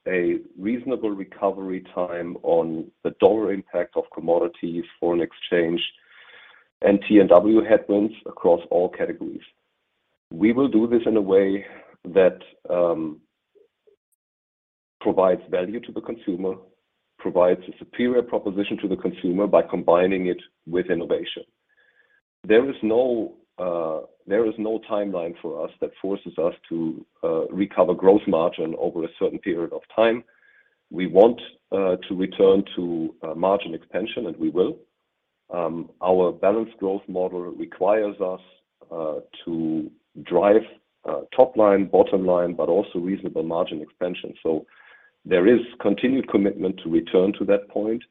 a reasonable recovery time on the dollar impact of commodities, foreign exchange, and T&W headwinds across all categories. We will do this in a way that provides value to the consumer, provides a superior proposition to the consumer by combining it with innovation. There is no timeline for us that forces us to recover gross margin over a certain period of time. We want to return to margin expansion, and we will. Our balanced growth model requires us to drive top line, bottom line, but also reasonable margin expansion. There is continued commitment to return to that point,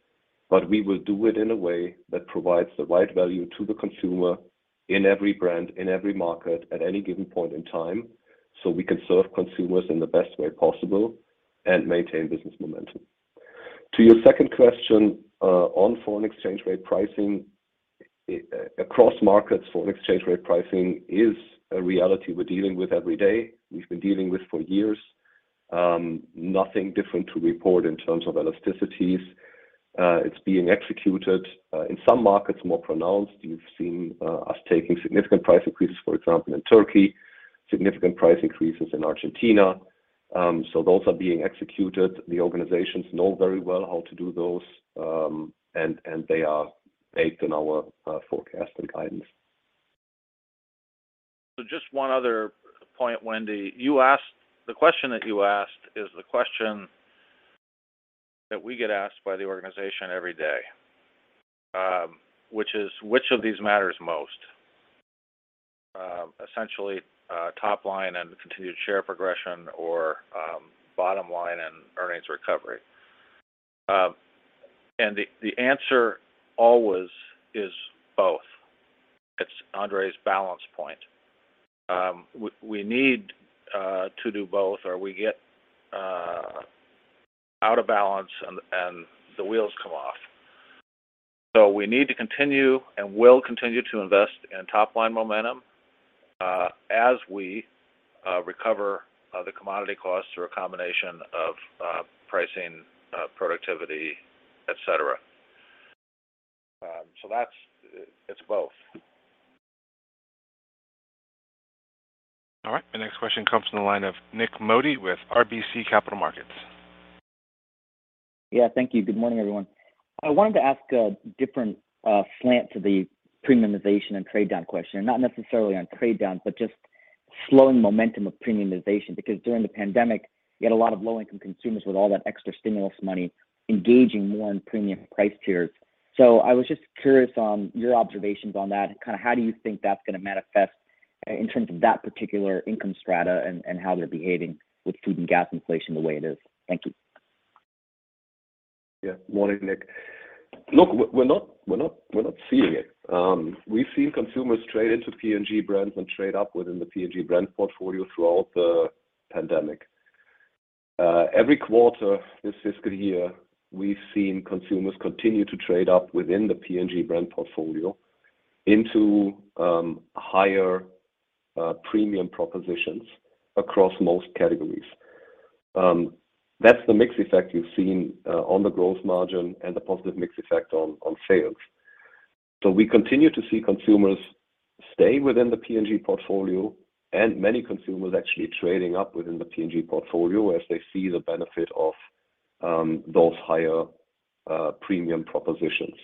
but we will do it in a way that provides the right value to the consumer in every brand, in every market, at any given point in time, so we can serve consumers in the best way possible and maintain business momentum. To your second question, on foreign exchange rate pricing. Across markets, foreign exchange rate pricing is a reality we're dealing with every day, we've been dealing with for years. Nothing different to report in terms of elasticities. It's being executed in some markets more pronounced. You've seen us taking significant price increases, for example, in Turkey, significant price increases in Argentina. So those are being executed. The organizations know very well how to do those, and they are baked in our forecast and guidance. Just one other point, Wendy. The question that you asked is the question that we get asked by the organization every day, which is, which of these matters most? Essentially, top line and continued share progression or bottom line and earnings recovery. The answer always is both. It's Andre's balance point. We need to do both or we get out of balance and the wheels come off. We need to continue and will continue to invest in top-line momentum as we recover the commodity costs through a combination of pricing, productivity, et cetera. That's it. It's both. All right. The next question comes from the line of Nik Modi with RBC Capital Markets. Yeah. Thank you. Good morning, everyone. I wanted to ask a different slant to the premiumization and trade down question, not necessarily on trade down, but just slowing momentum of premiumization. Because during the pandemic, you had a lot of low-income consumers with all that extra stimulus money engaging more in premium price tiers. So I was just curious on your observations on that. Kinda how do you think that's gonna manifest in terms of that particular income strata and how they're behaving with food and gas inflation the way it is? Thank you. Yeah. Morning, Nick. Look, we're not seeing it. We've seen consumers trade into P&G brands and trade up within the P&G brand portfolio throughout the pandemic. Every quarter this fiscal year, we've seen consumers continue to trade up within the P&G brand portfolio into higher premium propositions across most categories. That's the mix effect you've seen on the growth margin and the positive mix effect on sales. We continue to see consumers stay within the P&G portfolio, and many consumers actually trading up within the P&G portfolio as they see the benefit of those higher premium propositions.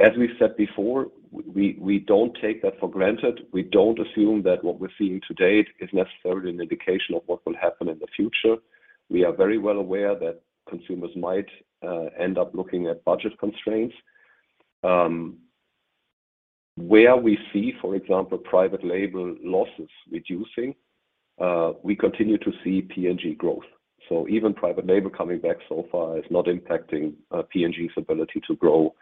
As we said before, we don't take that for granted. We don't assume that what we're seeing to date is necessarily an indication of what will happen in the future. We are very well aware that consumers might end up looking at budget constraints. Where we see, for example, private label losses reducing, we continue to see P&G growth. Even private label coming back so far is not impacting P&G's ability to grow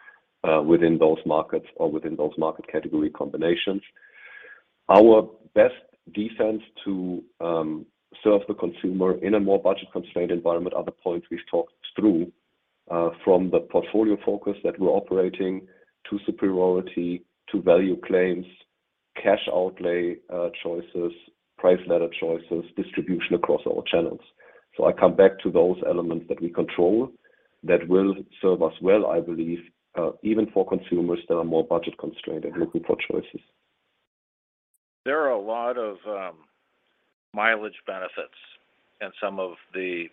within those markets or within those market category combinations. Our best defense to serve the consumer in a more budget-constrained environment are the points we've talked through from the portfolio focus that we're operating, to superiority, to value claims, cash outlay choices, price ladder choices, distribution across all channels. I come back to those elements that we control that will serve us well, I believe, even for consumers that are more budget-constrained and looking for choices. There are a lot of mileage benefits in some of the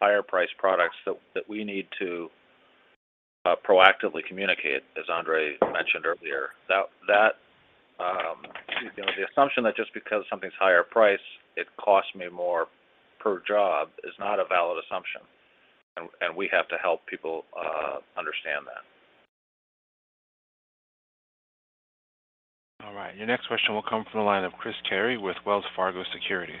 higher-priced products that we need to proactively communicate, as Andre mentioned earlier. You know, the assumption that just because something's higher priced, it costs me more per job is not a valid assumption, and we have to help people understand that. All right. Your next question will come from the line of Chris Carey with Wells Fargo Securities.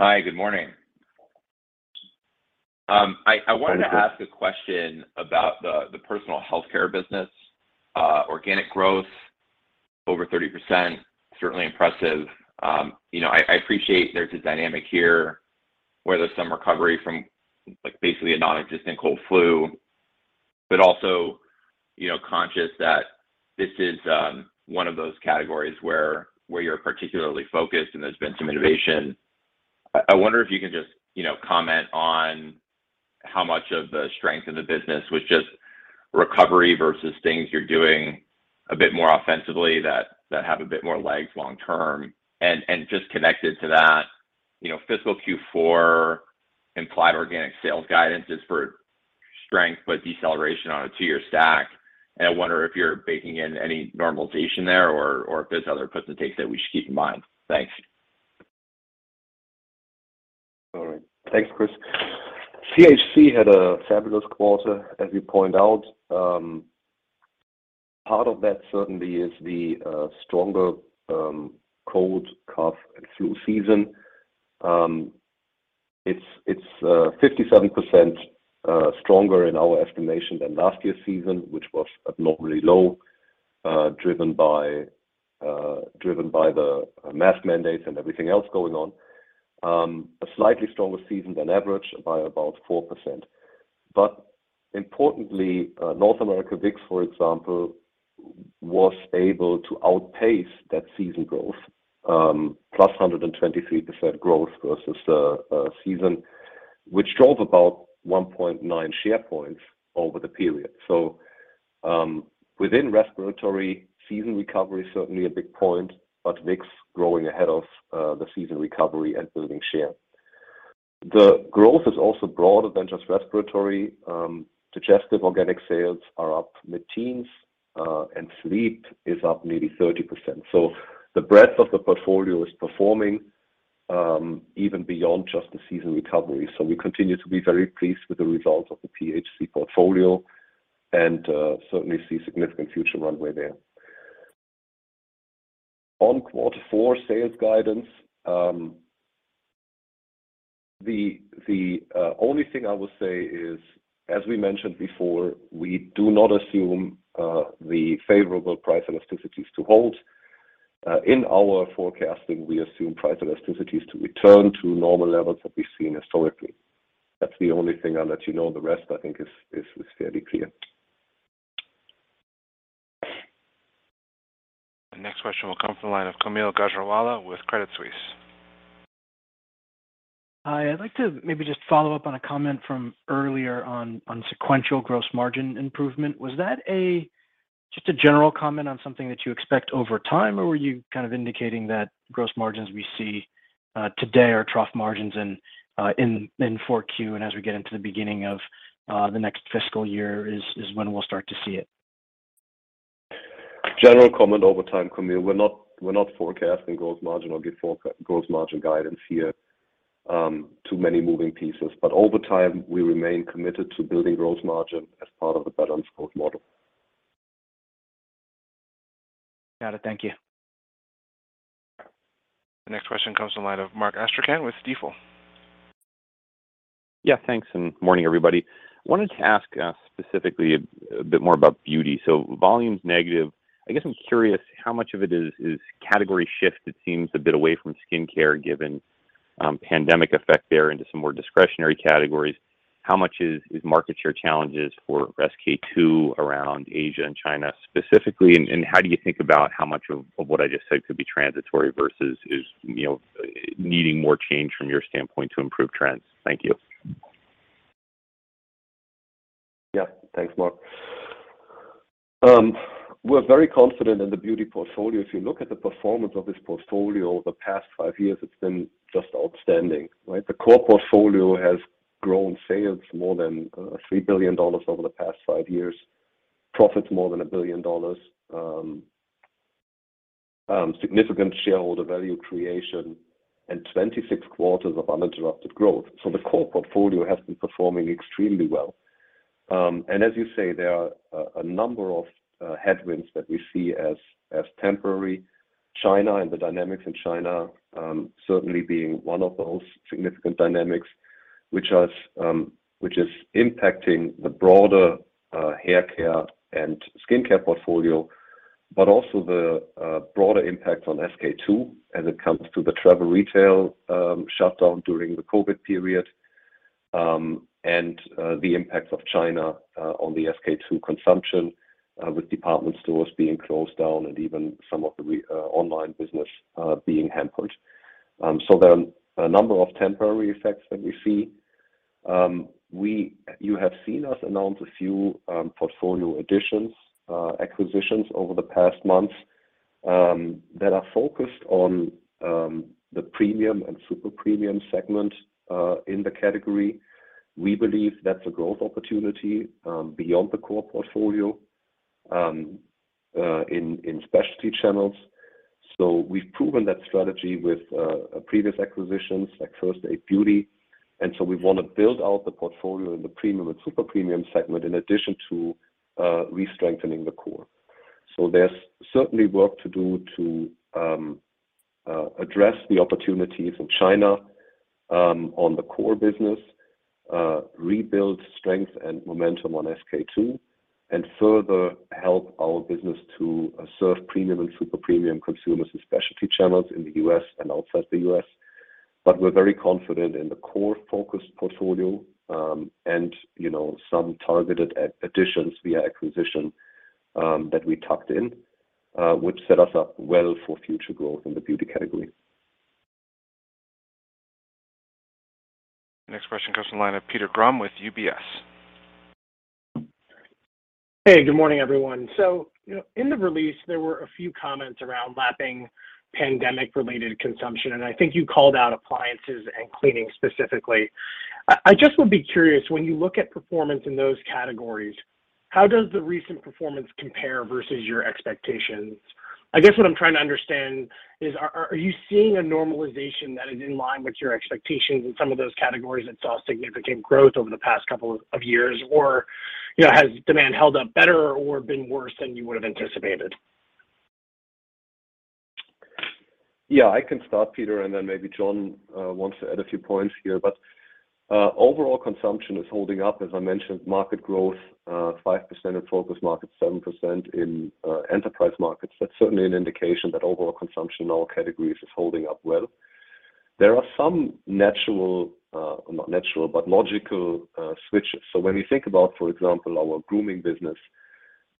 Hi. Good morning. Hi, Chris. I wanted to ask a question about the Personal Health Care business. Organic growth over 30%, certainly impressive. I appreciate there's a dynamic here where there's some recovery from, like, basically a non-existent cold/flu. Also, you know, conscious that this is one of those categories where you're particularly focused and there's been some innovation. I wonder if you can just, you know, comment on how much of the strength of the business was just recovery versus things you're doing a bit more offensively that have a bit more legs long term. Just connected to that, you know, fiscal Q4 implied organic sales guidance is for strength, but deceleration on a two-year stack. I wonder if you're baking in any normalization there or if there's other puts and takes that we should keep in mind. Thanks. All right. Thanks, Chris. PHC had a fabulous quarter, as you point out. Part of that certainly is the stronger cold, cough, and flu season. It's 57% stronger in our estimation than last year's season, which was abnormally low, driven by the mask mandates and everything else going on. A slightly stronger season than average by about 4%. Importantly, North America Vicks, for example, was able to outpace that season growth, +123% growth versus the season, which drove about 1.9 share points over the period. Within respiratory, season recovery is certainly a big point, but Vicks growing ahead of the season recovery and building share. The growth is also broader than just respiratory. Digestive organic sales are up mid-teens%, and sleep is up maybe 30%. The breadth of the portfolio is performing, even beyond just the season recovery. We continue to be very pleased with the results of the PHC portfolio and certainly see significant future runway there. On Q4 sales guidance, the only thing I will say is, as we mentioned before, we do not assume the favorable price elasticities to hold. In our forecasting, we assume price elasticities to return to normal levels that we've seen historically. That's the only thing I'll let you know. The rest, I think is fairly clear. The next question will come from the line of Kaumil Gajrawala with Credit Suisse. Hi, I'd like to maybe just follow up on a comment from earlier on sequential gross margin improvement. Was that just a general comment on something that you expect over time, or were you kind of indicating that gross margins we see today are trough margins and in 4Q, as we get into the beginning of the next fiscal year is when we'll start to see it? General comment over time, Kaumil. We're not forecasting gross margin or give gross margin guidance here. Too many moving pieces. Over time, we remain committed to building gross margin as part of the balanced growth model. Got it. Thank you. The next question comes from the line of Mark Astrachan with Stifel. Yeah, thanks, morning, everybody. I wanted to ask specifically a bit more about beauty. Volume's negative. I guess I'm curious how much of it is category shift. It seems a bit away from skincare, given pandemic effect there into some more discretionary categories. How much is market share challenges for SK-II around Asia and China specifically, and how do you think about how much of what I just said could be transitory versus is, you know, needing more change from your standpoint to improve trends? Thank you. Yeah. Thanks, Mark. We're very confident in the beauty portfolio. If you look at the performance of this portfolio over the past five years, it's been just outstanding, right? The core portfolio has grown sales more than $3 billion over the past five years, profits more than $1 billion, significant shareholder value creation, and 26 quarters of uninterrupted growth. The core portfolio has been performing extremely well. As you say, there are a number of headwinds that we see as temporary. China and the dynamics in China certainly being one of those significant dynamics, which is impacting the broader hair care and skincare portfolio, but also the broader impact on SK-II as it comes to the travel retail shutdown during the COVID period, and the impacts of China on the SK-II consumption with department stores being closed down and even some of the online business being hampered. There are a number of temporary effects that we see. You have seen us announce a few portfolio additions, acquisitions over the past months that are focused on the premium and super premium segment in the category. We believe that's a growth opportunity beyond the core portfolio in specialty channels. We've proven that strategy with previous acquisitions like First Aid Beauty, and we want to build out the portfolio in the premium and super premium segment in addition to re-strengthening the core. There's certainly work to do to address the opportunities in China on the core business, rebuild strength and momentum on SK-II, and further help our business to serve premium and super premium consumers and specialty channels in the U.S. and outside the U.S. We're very confident in the core focused portfolio, and you know, some targeted additions via acquisition that we tucked in, which set us up well for future growth in the beauty category. Next question comes from the line of Peter Grom with UBS. Hey, good morning, everyone. You know, in the release, there were a few comments around lapping pandemic-related consumption, and I think you called out appliances and cleaning specifically. I just would be curious, when you look at performance in those categories, how does the recent performance compare versus your expectations? I guess what I'm trying to understand is are you seeing a normalization that is in line with your expectations in some of those categories that saw significant growth over the past couple of years? Or, you know, has demand held up better or been worse than you would have anticipated? Yeah. I can start, Peter, and then maybe Jon wants to add a few points here. Overall consumption is holding up. As I mentioned, market growth 5% in focus markets, 7% in enterprise markets. That's certainly an indication that overall consumption in all categories is holding up well. There are some natural, not natural, but logical switches. When you think about, for example, our grooming business,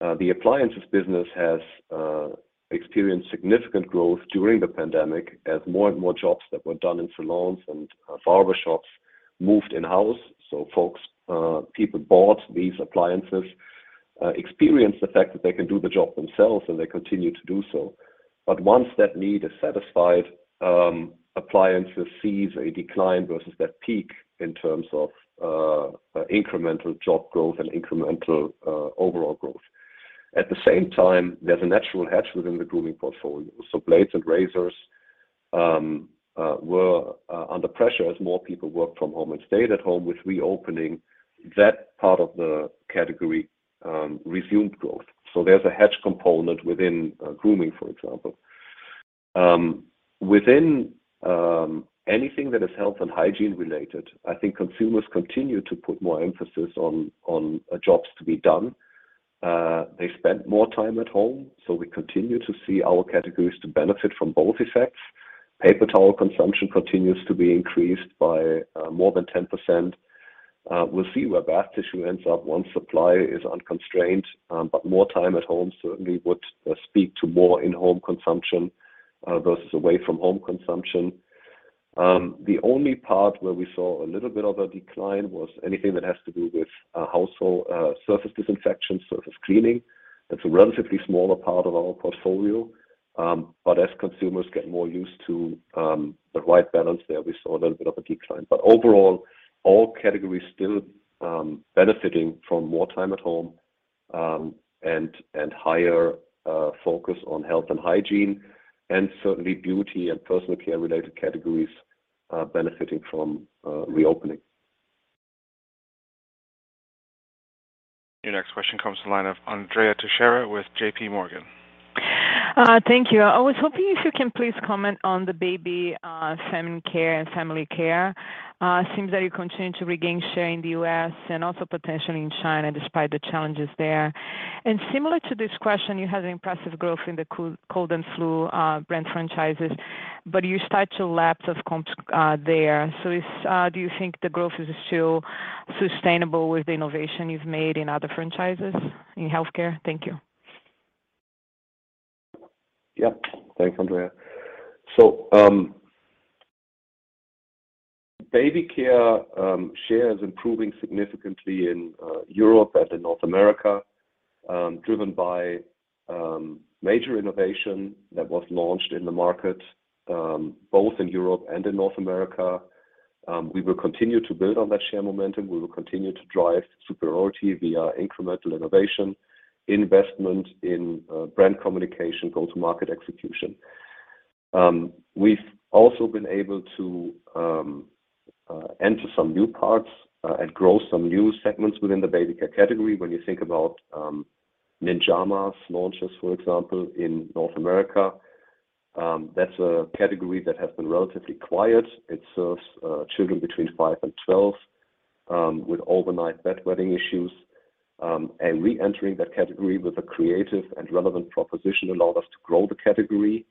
the appliances business has experienced significant growth during the pandemic as more and more jobs that were done in salons and barber shops moved in-house. Folks, people bought these appliances, experienced the fact that they can do the job themselves, and they continue to do so. Once that need is satisfied, appliances sees a decline versus that peak in terms of incremental job growth and incremental overall growth. At the same time, there's a natural hedge within the grooming portfolio. Blades and razors were under pressure as more people worked from home and stayed at home. With reopening, that part of the category resumed growth. There's a hedge component within grooming, for example. Within anything that is health and hygiene-related, I think consumers continue to put more emphasis on jobs to be done. They spent more time at home, so we continue to see our categories to benefit from both effects. Paper towel consumption continues to be increased by more than 10%. We'll see where bath tissue ends up once supply is unconstrained, but more time at home certainly would speak to more in-home consumption versus away from home consumption. The only part where we saw a little bit of a decline was anything that has to do with household surface disinfection, surface cleaning. That's a relatively smaller part of our portfolio. But as consumers get more used to the right balance there, we saw a little bit of a decline. But overall, all categories still benefiting from more time at home, and higher focus on health and hygiene, and certainly beauty and personal care-related categories benefiting from reopening. Your next question comes from the line of Andrea Teixeira with JPMorgan. Thank you. I was hoping if you can please comment on the Baby, Fem Care and Family Care. It seems that you continue to regain share in the U.S. and also potentially in China, despite the challenges there. Similar to this question, you had an impressive growth in the cold and flu brand franchises, but you start to lapse as comps there. Do you think the growth is still sustainable with the innovation you've made in other franchises in Health Care? Thank you. Yeah. Thanks, Andrea. Baby care share is improving significantly in Europe and in North America, driven by major innovation that was launched in the market, both in Europe and in North America. We will continue to build on that share momentum. We will continue to drive superiority via incremental innovation, investment in brand communication, go-to-market execution. We've also been able to enter some new parts and grow some new segments within the baby care category. When you think about Ninjamas launches, for example, in North America, that's a category that has been relatively quiet. It serves children between five and 12 with overnight bedwetting issues. Reentering that category with a creative and relevant proposition allowed us to grow the category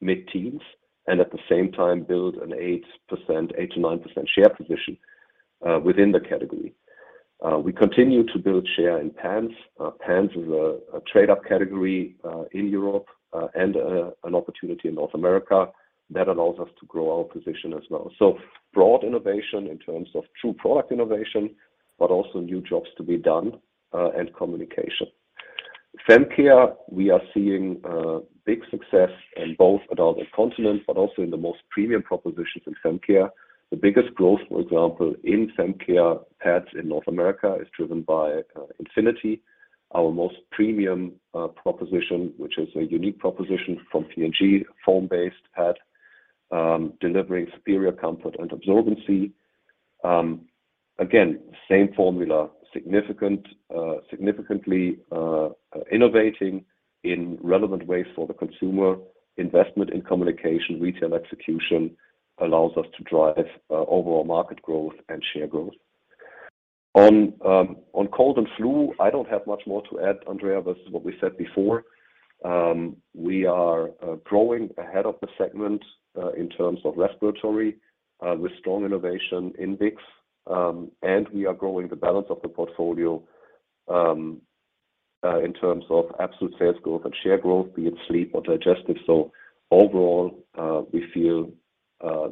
mid-teens%, and at the same time, build an 8%, 8%-9% share position within the category. We continue to build share in pants. Pants is a trade-up category in Europe, and an opportunity in North America that allows us to grow our position as well. Broad innovation in terms of true product innovation, but also new jobs to be done, and communication. Fem care, we are seeing big success in both adult incontinence, but also in the most premium propositions in fem care. The biggest growth, for example, in fem care pads in North America is driven by Always Infinity, our most premium proposition, which is a unique proposition from P&G foam-based pad, delivering superior comfort and absorbency. Again, same formula, significantly innovating in relevant ways for the consumer. Investment in communication, retail execution allows us to drive overall market growth and share growth. On cold and flu, I don't have much more to add, Andrea, versus what we said before. We are growing ahead of the segment in terms of respiratory with strong innovation in Vicks. We are growing the balance of the portfolio in terms of absolute sales growth and share growth, be it sleep or digestive. Overall, we feel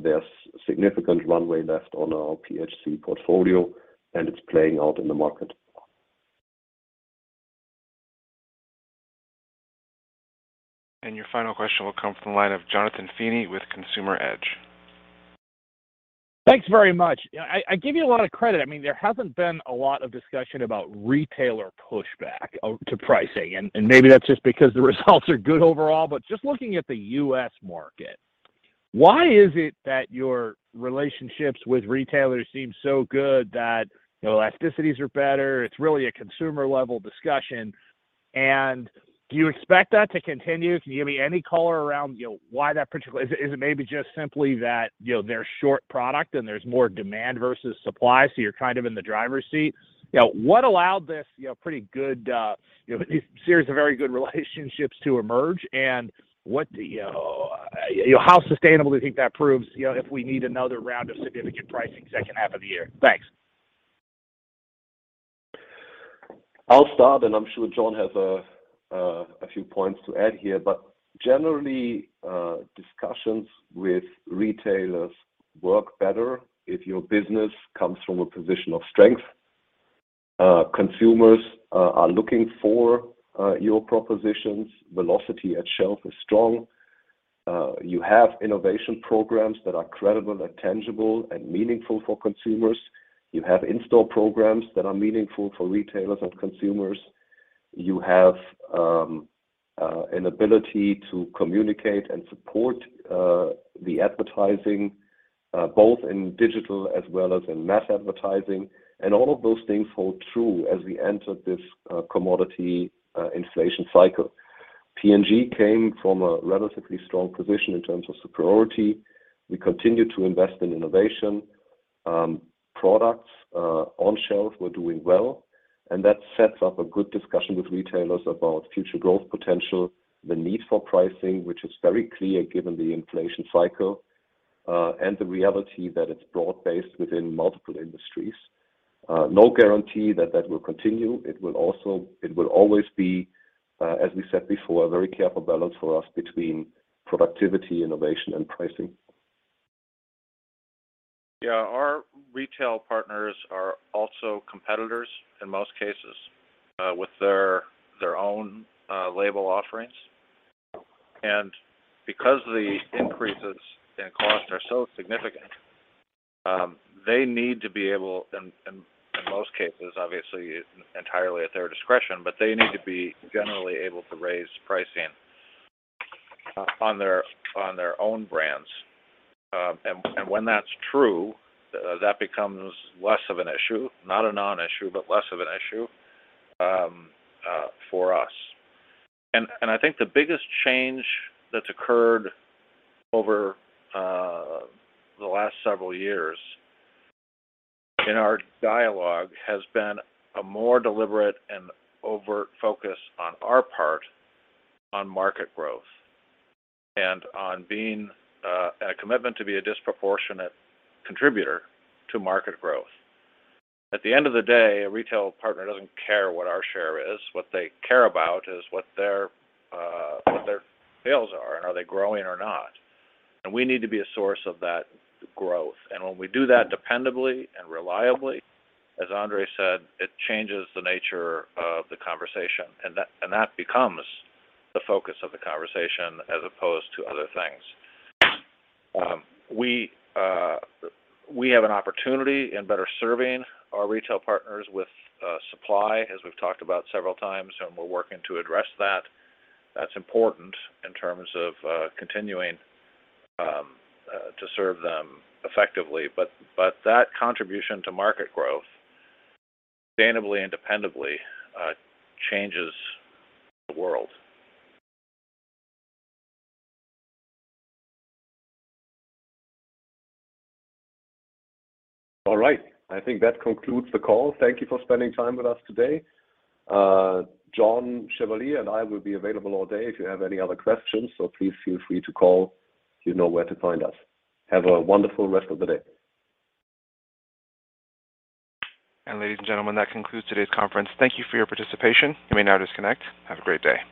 there's significant runway left on our PHC portfolio, and it's playing out in the market. Your final question will come from the line of Jonathan Feeney with Consumer Edge. Thanks very much. I give you a lot of credit. I mean, there hasn't been a lot of discussion about retailer pushback to pricing, and maybe that's just because the results are good overall. Just looking at the U.S. market, why is it that your relationships with retailers seem so good that the elasticities are better? It's really a consumer-level discussion. Do you expect that to continue? Can you give me any color around you know, why that particular? Is it maybe just simply that, you know, they're short product and there's more demand versus supply, so you're kind of in the driver's seat? You know, what allowed this, you know, pretty good, you know, these series of very good relationships to emerge? What, you know... You know, how sustainable do you think that proves, you know, if we need another round of significant pricing H2 of the year? Thanks. I'll start, and I'm sure John has a few points to add here, but generally, discussions with retailers work better if your business comes from a position of strength. Consumers are looking for your propositions. Velocity at shelf is strong. You have innovation programs that are credible and tangible and meaningful for consumers. You have in-store programs that are meaningful for retailers and consumers. You have an ability to communicate and support the advertising both in digital as well as in mass advertising. All of those things hold true as we enter this commodity inflation cycle. P&G came from a relatively strong position in terms of superiority. We continue to invest in innovation. Products on shelf were doing well, and that sets up a good discussion with retailers about future growth potential, the need for pricing, which is very clear given the inflation cycle, and the reality that it's broad-based within multiple industries. No guarantee that it will continue. It will always be, as we said before, a very careful balance for us between productivity, innovation and pricing. Yeah. Our retail partners are also competitors in most cases with their own label offerings. Because the increases in cost are so significant, they need to be able and in most cases, obviously entirely at their discretion, but they need to be generally able to raise pricing on their own brands. When that's true, that becomes less of an issue. Not a non-issue, but less of an issue for us. I think the biggest change that's occurred over the last several years in our dialogue has been a more deliberate and overt focus on our part on market growth and on being a commitment to be a disproportionate contributor to market growth. At the end of the day, a retail partner doesn't care what our share is. What they care about is what their sales are and are they growing or not. We need to be a source of that growth. When we do that dependably and reliably, as Andre said, it changes the nature of the conversation. That becomes the focus of the conversation as opposed to other things. We have an opportunity in better serving our retail partners with supply, as we've talked about several times, and we're working to address that. That's important in terms of continuing to serve them effectively. That contribution to market growth sustainably and dependably changes the world. All right. I think that concludes the call. Thank you for spending time with us today. John Chevalier and I will be available all day if you have any other questions, so please feel free to call. You know where to find us. Have a wonderful rest of the day. Ladies and gentlemen, that concludes today's conference. Thank you for your participation. You may now disconnect. Have a great day.